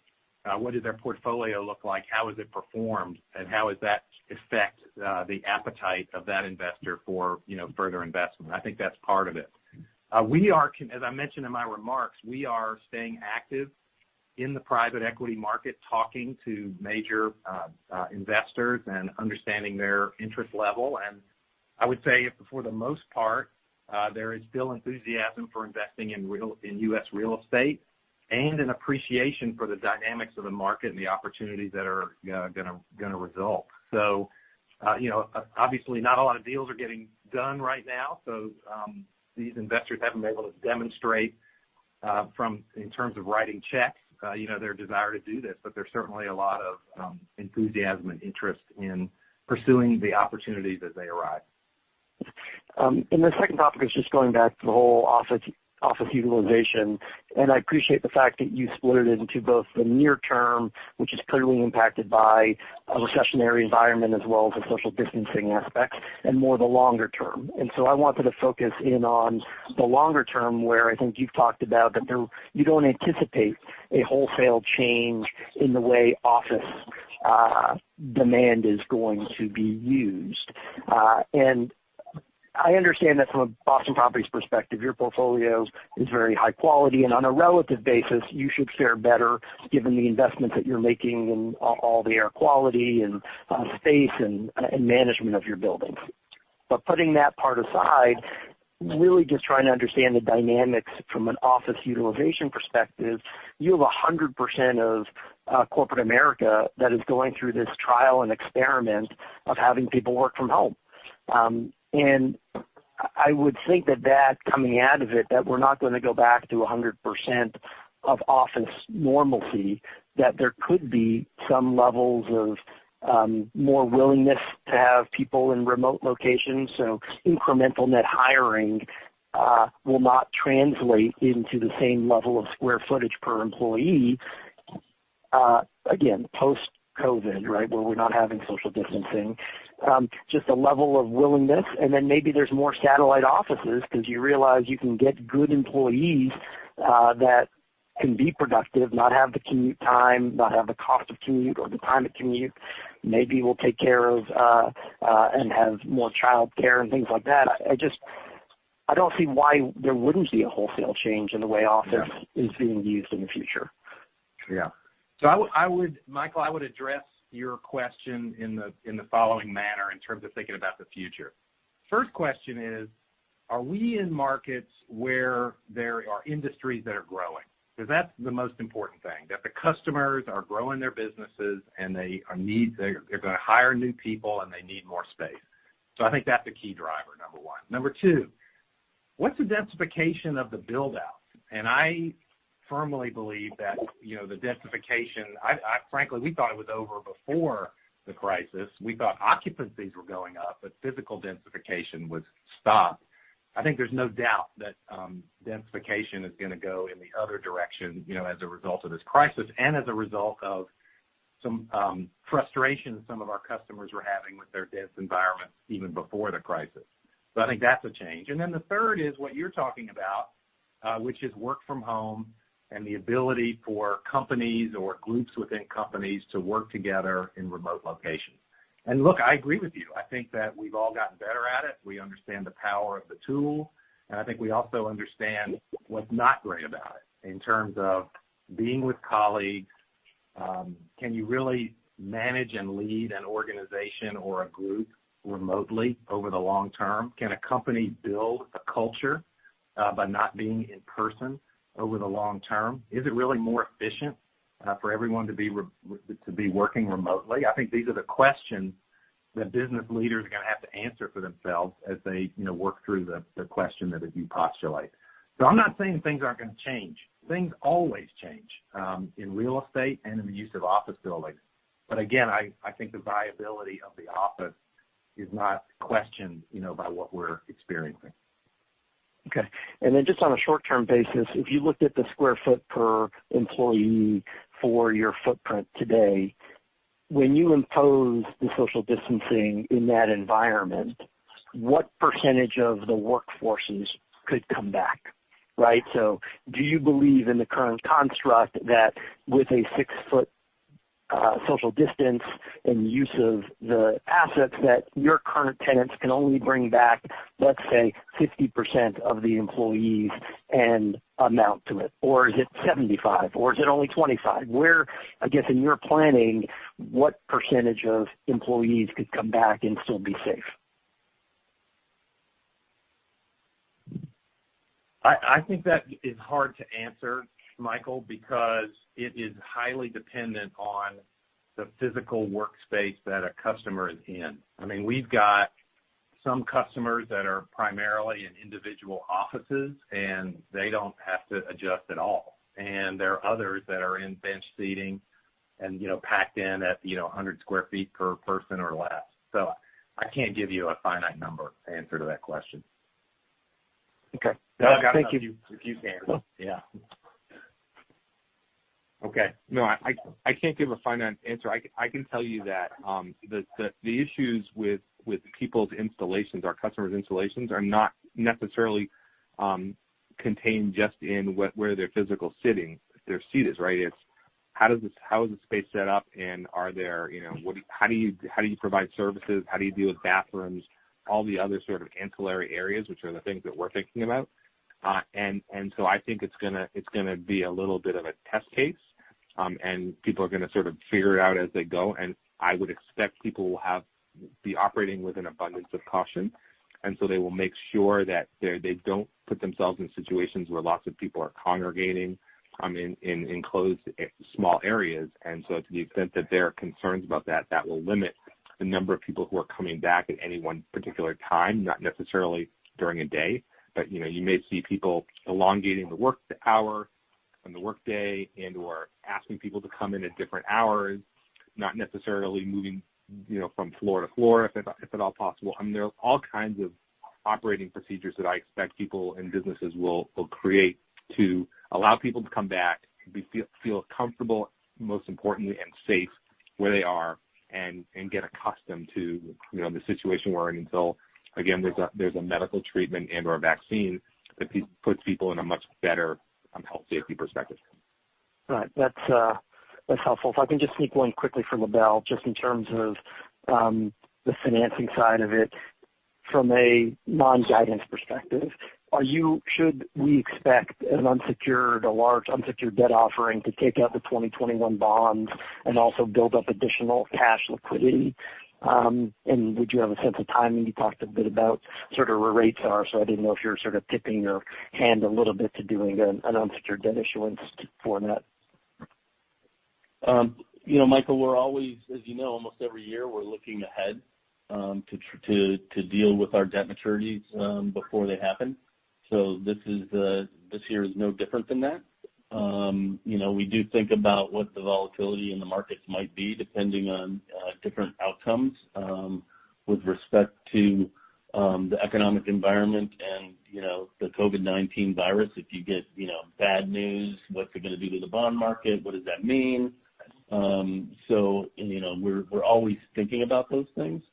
What did their portfolio look like? How has it performed, and how does that affect the appetite of that investor for further investment? I think that's part of it. As I mentioned in my remarks, we are staying active in the private equity market, talking to major investors and understanding their interest level. I would say for the most part, there is still enthusiasm for investing in U.S. real estate and an appreciation for the dynamics of the market and the opportunities that are going to result. Obviously, not a lot of deals are getting done right now. These investors haven't been able to demonstrate, in terms of writing checks, their desire to do this. There's certainly a lot of enthusiasm and interest in pursuing the opportunities as they arise. The second topic is just going back to the whole office utilization. I appreciate the fact that you split it into both the near term, which is clearly impacted by a recessionary environment as well as the social distancing aspects, and more the longer term. I wanted to focus in on the longer term, where I think you've talked about that you don't anticipate a wholesale change in the way office demand is going to be used. I understand that from a Boston Properties perspective, your portfolio is very high quality, and on a relative basis, you should fare better given the investments that you're making in all the air quality and space and management of your buildings. Putting that part aside, really just trying to understand the dynamics from an office utilization perspective. You have 100% of corporate America that is going through this trial and experiment of having people work from home. I would think that coming out of it, that we're not going to go back to 100% of office normalcy, that there could be some levels of more willingness to have people in remote locations. Incremental net hiring will not translate into the same level of square footage per employee. Again, post-COVID-19, where we're not having social distancing. Just a level of willingness, and then maybe there's more satellite offices because you realize you can get good employees that can be productive, not have the commute time, not have the cost of commute or the time to commute, maybe will take care of and have more childcare and things like that. I don't see why there wouldn't be a wholesale change in the way office is being used in the future. Yeah. Michael, I would address your question in the following manner in terms of thinking about the future. First question is, are we in markets where there are industries that are growing? That's the most important thing, that the customers are growing their businesses, and they're going to hire new people, and they need more space. I think that's a key driver, number one. Number two, what's the densification of the build out? I firmly believe that the densification frankly, we thought it was over before the crisis. We thought occupancies were going up, but physical densification would stop. I think there's no doubt that densification is going to go in the other direction as a result of this crisis and as a result of some frustration some of our customers were having with their dense environments even before the crisis. I think that's a change. The third is what you're talking about, which is work from home and the ability for companies or groups within companies to work together in remote locations. Look, I agree with you. I think that we've all gotten better at it. We understand the power of the tool, and I think we also understand what's not great about it in terms of being with colleagues. Can you really manage and lead an organization or a group remotely over the long term? Can a company build a culture by not being in person over the long term? Is it really more efficient for everyone to be working remotely? I think these are the questions that business leaders are going to have to answer for themselves as they work through the question that you postulate. I'm not saying things aren't going to change. Things always change in real estate and in the use of office buildings. Again, I think the viability of the office is not questioned by what we're experiencing. Okay. Just on a short-term basis, if you looked at the square foot per employee for your footprint today, when you impose the social distancing in that environment, what percentage of the workforces could come back? Do you believe in the current construct that with a six-foot social distance and use of the assets, that your current tenants can only bring back, let’s say, 50% of the employees and? <audio distortion> Is it 75%, or is it only 25%? I guess in your planning, what percentage of employees could come back and still be safe? I think that is hard to answer, Michael, because it is highly dependent on the physical workspace that a customer is in. We've got some customers that are primarily in individual offices, and they don't have to adjust at all. There are others that are in bench seating and packed in at 100 sq ft per person or less. I can't give you a finite number answer to that question. Okay. Thank you. I've got to know if you can. Yeah. Okay. No, I can't give a finite answer. I can tell you that the issues with people's installations, our customers' installations, are not necessarily contained just in where their physical seat is, right? It's how is the space set up, and how do you provide services? How do you deal with bathrooms, all the other sort of ancillary areas, which are the things that we're thinking about. I think it's going to be a little bit of a test case, and people are going to sort of figure it out as they go. I would expect people will be operating with an abundance of caution, and so they will make sure that they don't put themselves in situations where lots of people are congregating in enclosed, small areas. To the extent that there are concerns about that will limit the number of people who are coming back at any one particular time, not necessarily during a day. You may see people elongating the work hour and the workday and/or asking people to come in at different hours, not necessarily moving from floor to floor if at all possible. There are all kinds of operating procedures that I expect people and businesses will create to allow people to come back, feel comfortable, most importantly, and safe where they are, and get accustomed to the situation we're in until, again, there's a medical treatment and/or a vaccine that puts people in a much better health safety perspective. All right. That's helpful. If I can just sneak one quickly for LaBelle, just in terms of the financing side of it, from a non-guidance perspective, should we expect an unsecured, a large unsecured debt offering to take out the 2021 bonds and also build up additional cash liquidity? Would you have a sense of timing? You talked a bit about sort of where rates are, I didn't know if you were sort of tipping your hand a little bit to doing an unsecured debt issuance for [debt]. Michael, we're always, as you know, almost every year, we're looking ahead to deal with our debt maturities before they happen. This year is no different than that. We do think about what the volatility in the markets might be, depending on different outcomes. With respect to the economic environment and the COVID-19 virus, if you get bad news, what's it going to do to the bond market? What does that mean? We're always thinking about those things.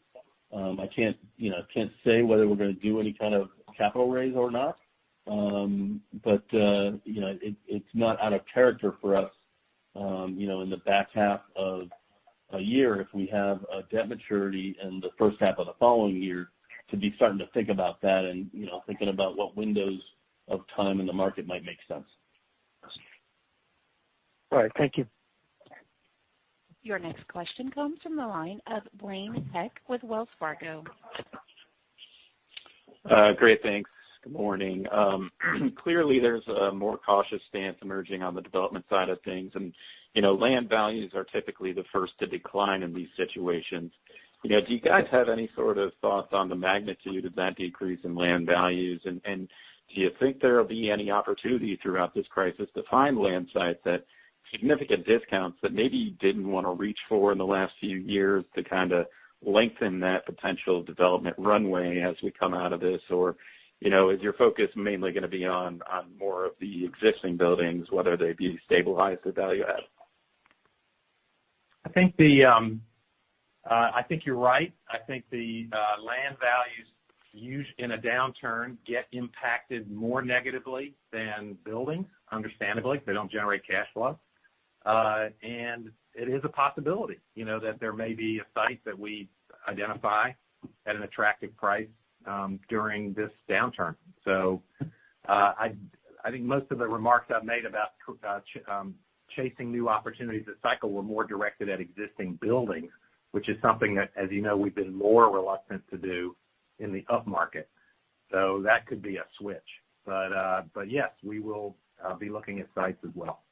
I can't say whether we're going to do any kind of capital raise or not. It's not out of character for us in the back half of a year if we have a debt maturity in the first half of the following year to be starting to think about that and thinking about what windows of time in the market might make sense. All right. Thank you. Your next question comes from the line of Blaine Heck with Wells Fargo. Great. Thanks. Good morning. Clearly, there's a more cautious stance emerging on the development side of things, and land values are typically the first to decline in these situations. Do you guys have any sort of thoughts on the magnitude of that decrease in land values? Do you think there will be any opportunity throughout this crisis to find land sites at significant discounts that maybe you didn't want to reach for in the last few years to kind of lengthen that potential development runway as we come out of this? Is your focus mainly going to be on more of the existing buildings, whether they be stabilized or value add? I think you're right. I think the land values in a downturn get impacted more negatively than buildings, understandably. They don't generate cash flow. It is a possibility that there may be a site that we identify at an attractive price during this downturn. I think most of the remarks I've made about chasing new opportunities this cycle were more directed at existing buildings, which is something that, as you know, we've been more reluctant to do in the upmarket. That could be a switch. Yes, we will be looking at sites as well.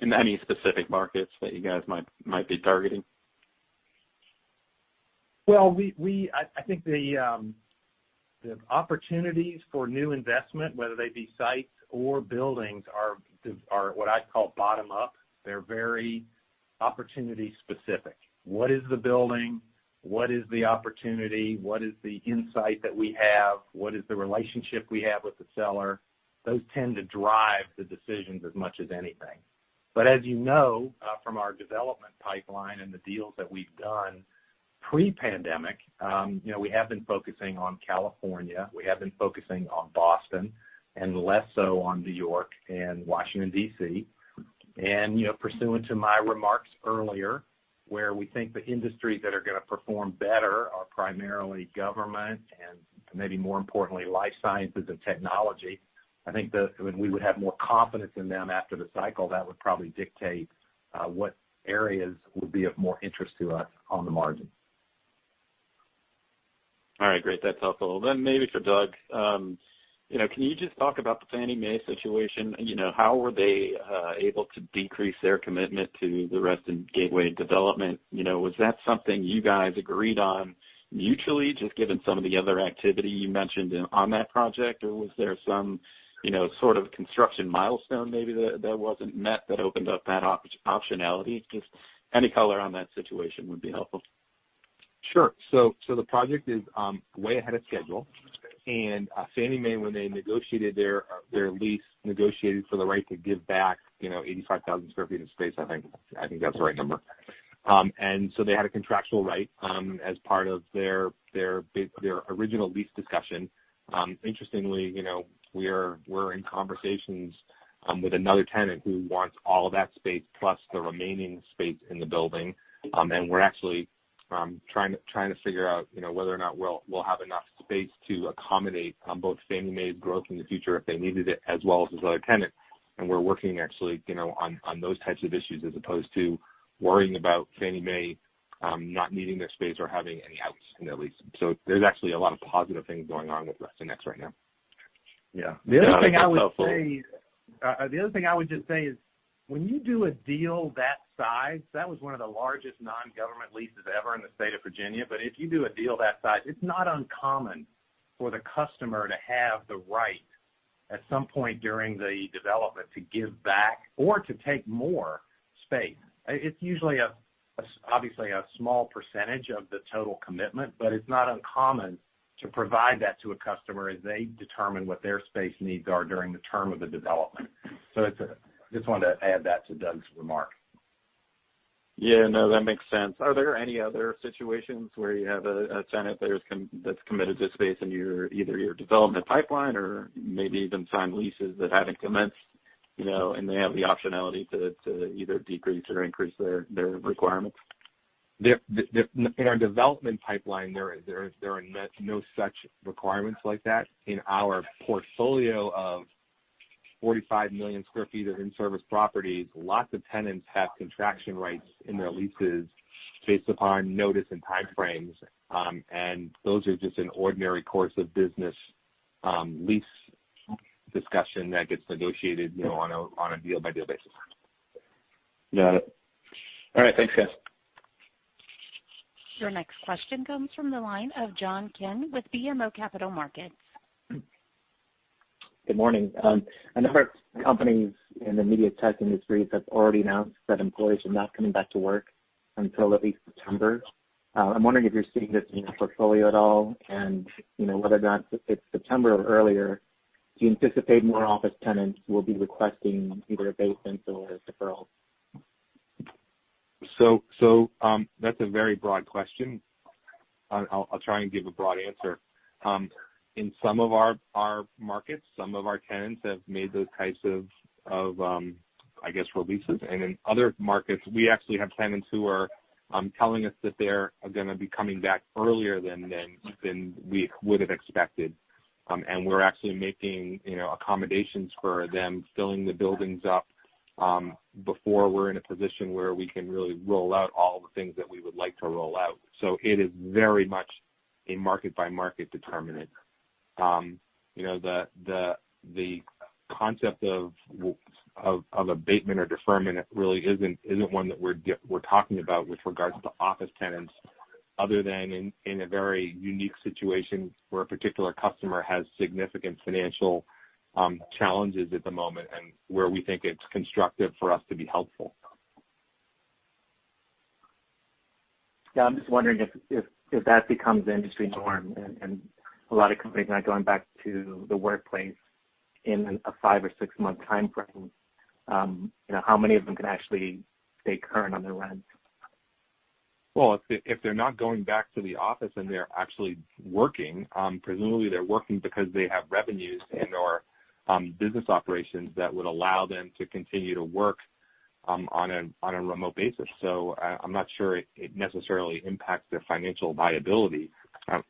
Any specific markets that you guys might be targeting? Well, I think the opportunities for new investment, whether they be sites or buildings, are what I'd call bottom-up. They're very opportunity specific. What is the building? What is the opportunity? What is the insight that we have? What is the relationship we have with the seller? Those tend to drive the decisions as much as anything. As you know from our development pipeline and the deals that we've done pre-pandemic, we have been focusing on California, we have been focusing on Boston, and less so on New York and Washington, D.C. Pursuant to my remarks earlier, where we think the industries that are going to perform better are primarily government and maybe more importantly, life sciences and technology. I think when we would have more confidence in them after the cycle, that would probably dictate what areas would be of more interest to us on the margin. All right. Great. That's helpful. Maybe for Doug, can you just talk about the Fannie Mae situation? How were they able to decrease their commitment to the Reston Gateway development? Was that something you guys agreed on mutually, just given some of the other activity you mentioned on that project? Was there some sort of construction milestone maybe that wasn't met that opened up that optionality? Just any color on that situation would be helpful. Sure. The project is way ahead of schedule. Fannie Mae, when they negotiated their lease, negotiated for the right to give back 85,000 sq ft of space, I think. I think that's the right number. They had a contractual right as part of their original lease discussion. Interestingly, we're in conversations with another tenant who wants all of that space plus the remaining space in the building. We're actually trying to figure out whether or not we'll have enough space to accommodate both Fannie Mae's growth in the future, if they needed it, as well as this other tenant. We're working actually on those types of issues, as opposed to worrying about Fannie Mae not needing their space or having any outs in their lease. There's actually a lot of positive things going on with Fannie's right now. Yeah. The other thing I would just say is, when you do a deal that size, that was one of the largest non-government leases ever in the state of Virginia. If you do a deal that size, it's not uncommon for the customer to have the right, at some point during the development, to give back or to take more space. It's usually, obviously, a small percentage of the total commitment, but it's not uncommon to provide that to a customer as they determine what their space needs are during the term of the development. I just wanted to add that to Doug's remark. Yeah, no, that makes sense. Are there any other situations where you have a tenant that's committed to space in either your development pipeline or maybe even signed leases that haven't commenced, and they have the optionality to either decrease or increase their requirements? In our development pipeline, there are no such requirements like that. In our portfolio of 45 million square feet of in-service properties, lots of tenants have contraction rights in their leases based upon notice and time frames. Those are just an ordinary course of business lease discussion that gets negotiated on a deal-by-deal basis. Got it. All right, thanks, guys. Your next question comes from the line of John Kim with BMO Capital Markets. Good morning. A number of companies in the media tech industry have already announced that employees are not coming back to work until at least September. I'm wondering if you're seeing this in your portfolio at all, and whether or not if it's September or earlier, do you anticipate more office tenants will be requesting either abatements or deferrals? That's a very broad question. I'll try and give a broad answer. In some of our markets, some of our tenants have made those types of releases. In other markets, we actually have tenants who are telling us that they're going to be coming back earlier than we would've expected. We're actually making accommodations for them, filling the buildings up, before we're in a position where we can really roll out all the things that we would like to roll out. It is very much a market-by-market determinant. The concept of abatement or deferment really isn't one that we're talking about with regards to office tenants, other than in a very unique situation where a particular customer has significant financial challenges at the moment, and where we think it's constructive for us to be helpful. Yeah, I'm just wondering if that becomes the industry norm and a lot of companies are not going back to the workplace in a five month or six month time frame, how many of them can actually stay current on their rents? Well, if they're not going back to the office and they're actually working, presumably they're working because they have revenues and/or business operations that would allow them to continue to work on a remote basis. I'm not sure it necessarily impacts their financial viability.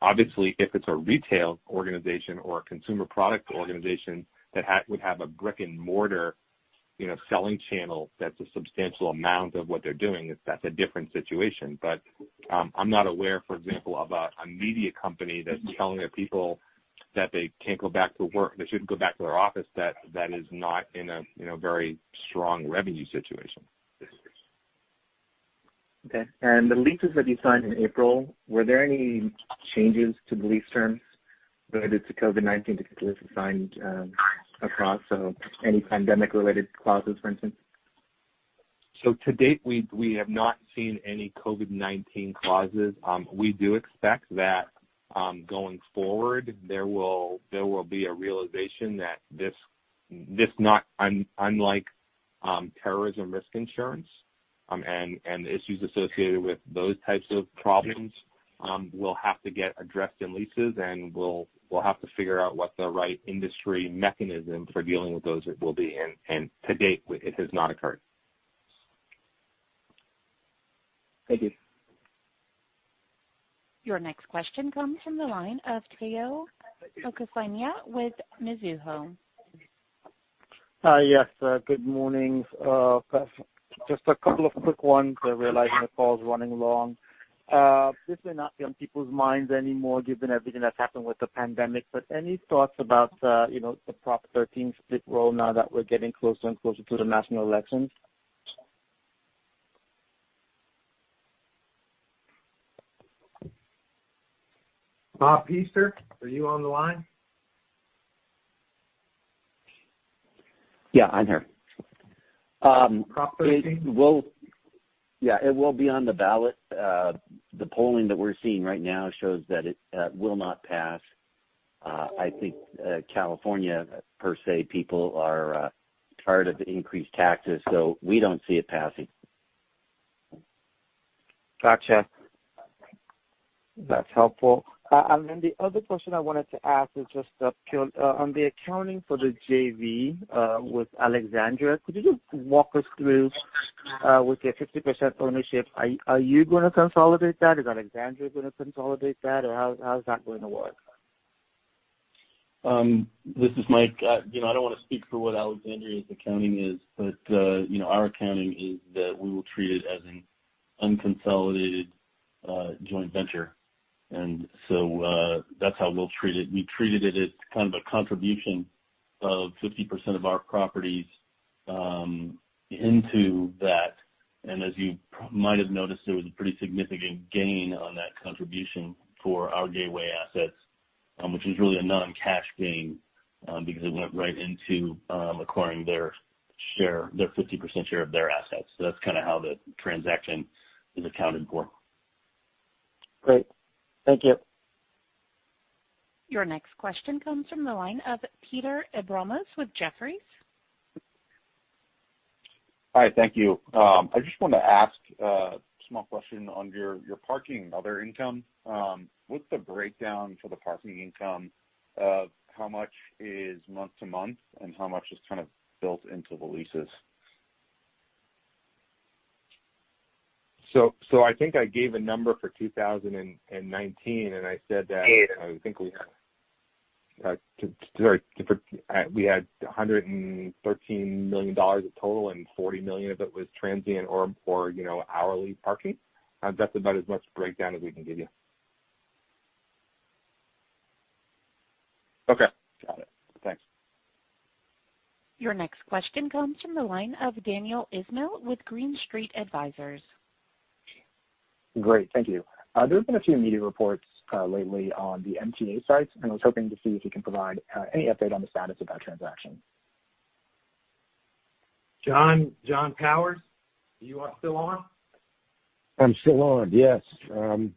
Obviously, if it's a retail organization or a consumer product organization that would have a brick-and-mortar selling channel, that's a substantial amount of what they're doing, that's a different situation. I'm not aware, for example, of a media company that's telling their people that they can't go back to work, they shouldn't go back to their office, that is not in a very strong revenue situation. Okay. The leases that you signed in April, were there any changes to the lease terms related to COVID-19 because the lease was signed across, so any pandemic-related clauses, for instance? To date, we have not seen any COVID-19 clauses. We do expect that going forward, there will be a realization that this, not unlike terrorism risk insurance, and the issues associated with those types of problems, will have to get addressed in leases, and we'll have to figure out what the right industry mechanism for dealing with those will be. To date, it has not occurred. Thank you. Your next question comes from the line of Tayo Okusanya with Mizuho. Yes. Good morning. Just a couple of quick ones. I realize the call is running long. This may not be on people's minds anymore given everything that's happened with the pandemic, but any thoughts about the Proposition 15 split roll now that we're getting closer and closer to the national elections? Bob Pester, are you on the line? Yeah, I'm here. Proposition 15? Yeah, it will be on the ballot. The polling that we're seeing right now shows that it will not pass. I think California, per se, people are tired of the increased taxes, so we don't see it passing. Got you. That's helpful. The other question I wanted to ask is just on the accounting for the JV with Alexandria. Could you just walk us through with your 50% ownership, are you going to consolidate that? Is Alexandria going to consolidate that? How is that going to work? This is Mike. I don't want to speak for what Alexandria's accounting is. Our accounting is that we will treat it as an unconsolidated joint venture. That's how we'll treat it. We treated it as kind of a contribution of 50% of our properties into that. As you might have noticed, there was a pretty significant gain on that contribution for our Gateway assets, which was really a non-cash gain because it went right into acquiring their 50% share of their assets. That's kind of how the transaction is accounted for. Great. Thank you. Your next question comes from the line of Peter Abramowitz with Jefferies. Hi, thank you. I just want to ask a small question on your parking and other income. What's the breakdown for the parking income of how much is month to month and how much is kind of built into the leases? I think I gave a number for 2019, and I said that. You did. I think we had $113 million of total and $40 million of it was transient or hourly parking. That's about as much breakdown as we can give you. Okay, got it. Thanks. Your next question comes from the line of Daniel Ismail with Green Street Advisors. Great. Thank you. There's been a few media reports lately on the MTA sites, and I was hoping to see if you can provide any update on the status of that transaction. John Powers, you are still on? I'm still on. Yes.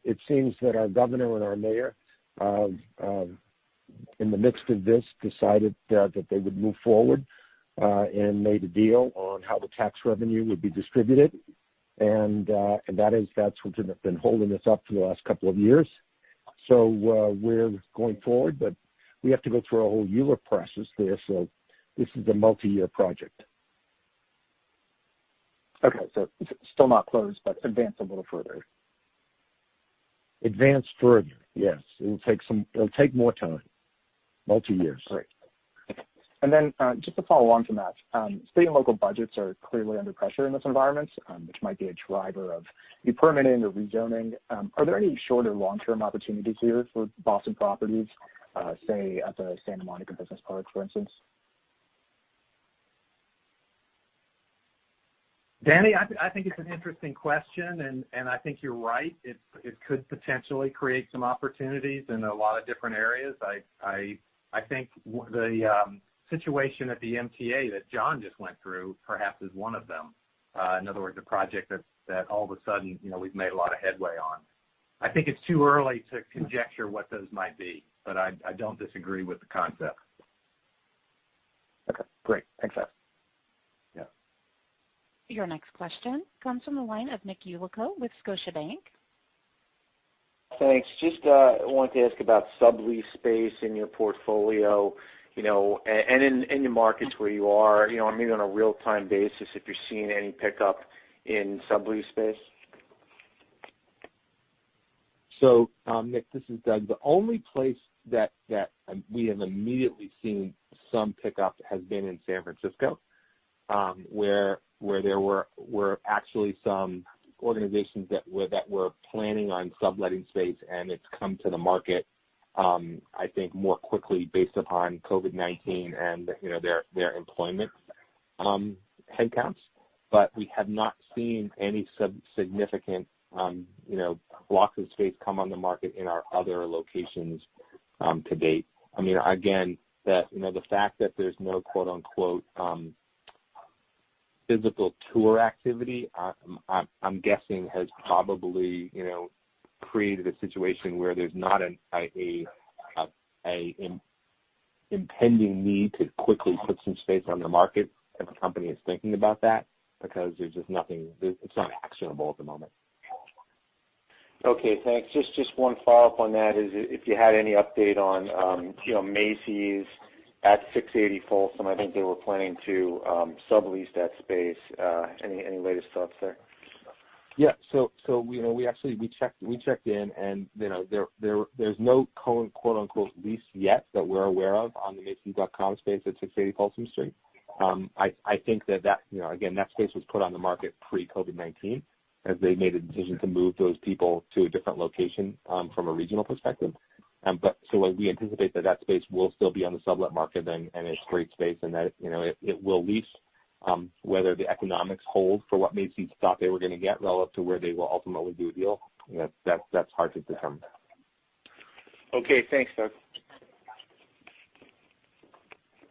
It seems that our governor and our mayor, in the midst of this, decided that they would move forward and made a deal on how the tax revenue would be distributed. That's what's been holding us up for the last couple of years. We're going forward, but we have to go through a whole ULURP process there. This is a multi-year project. Okay, still not closed, but advanced a little further. Advanced further, yes. It'll take more time. Multi years. Great. Just to follow on from that, state and local budgets are clearly under pressure in this environment, which might be a driver of de-permitting or rezoning. Are there any short or long-term opportunities here for Boston Properties, say at the Santa Monica Business Park, for instance? Daniel, I think it's an interesting question, and I think you're right. It could potentially create some opportunities in a lot of different areas. I think the situation at the MTA that John just went through perhaps is one of them. In other words, a project that all of a sudden we've made a lot of headway on. I think it's too early to conjecture what those might be, but I don't disagree with the concept. Okay, great. Thanks, Doug. Yeah. Your next question comes from the line of Nick Yulico with Scotiabank. Thanks. Just wanted to ask about sublease space in your portfolio, and in the markets where you are, maybe on a real-time basis if you're seeing any pickup in sublease space? Nick, this is Doug. The only place that we have immediately seen some pickup has been in San Francisco, where there were actually some organizations that were planning on subletting space, and it's come to the market I think more quickly based upon COVID-19 and their employment headcounts. We have not seen any significant blocks of space come on the market in our other locations to date. Again, the fact that there's no "physical tour activity" I'm guessing has probably created a situation where there's not an impending need to quickly put some space on the market if a company is thinking about that because it's not actionable at the moment. Okay, thanks. Just one follow-up on that is if you had any update on Macy's at 680 Folsom. I think they were planning to sublease that space. Any latest thoughts there? Yeah. We actually checked in, and there's no "lease" yet that we're aware of on the macys.com space at 680 Folsom Street. I think that again, that space was put on the market pre-COVID-19 as they made a decision to move those people to a different location from a regional perspective. We anticipate that that space will still be on the sublet market then, and it's great space and that it will lease. Whether the economics hold for what Macy's thought they were going to get relative to where they will ultimately do a deal, that's hard to determine. Okay, thanks, Doug.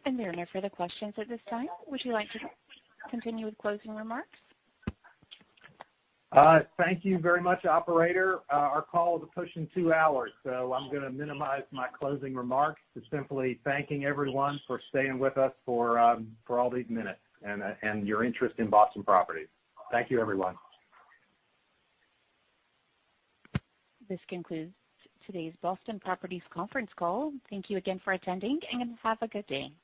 We are there for the questions at this time. Would you like to continue with closing remarks? Thank you very much, operator. I'm going to minimize my closing remarks to simply thanking everyone for staying with us for all these minutes and your interest in Boston Properties. Thank you, everyone. This concludes today's Boston Properties conference call. Thank you again for attending, and have a good day.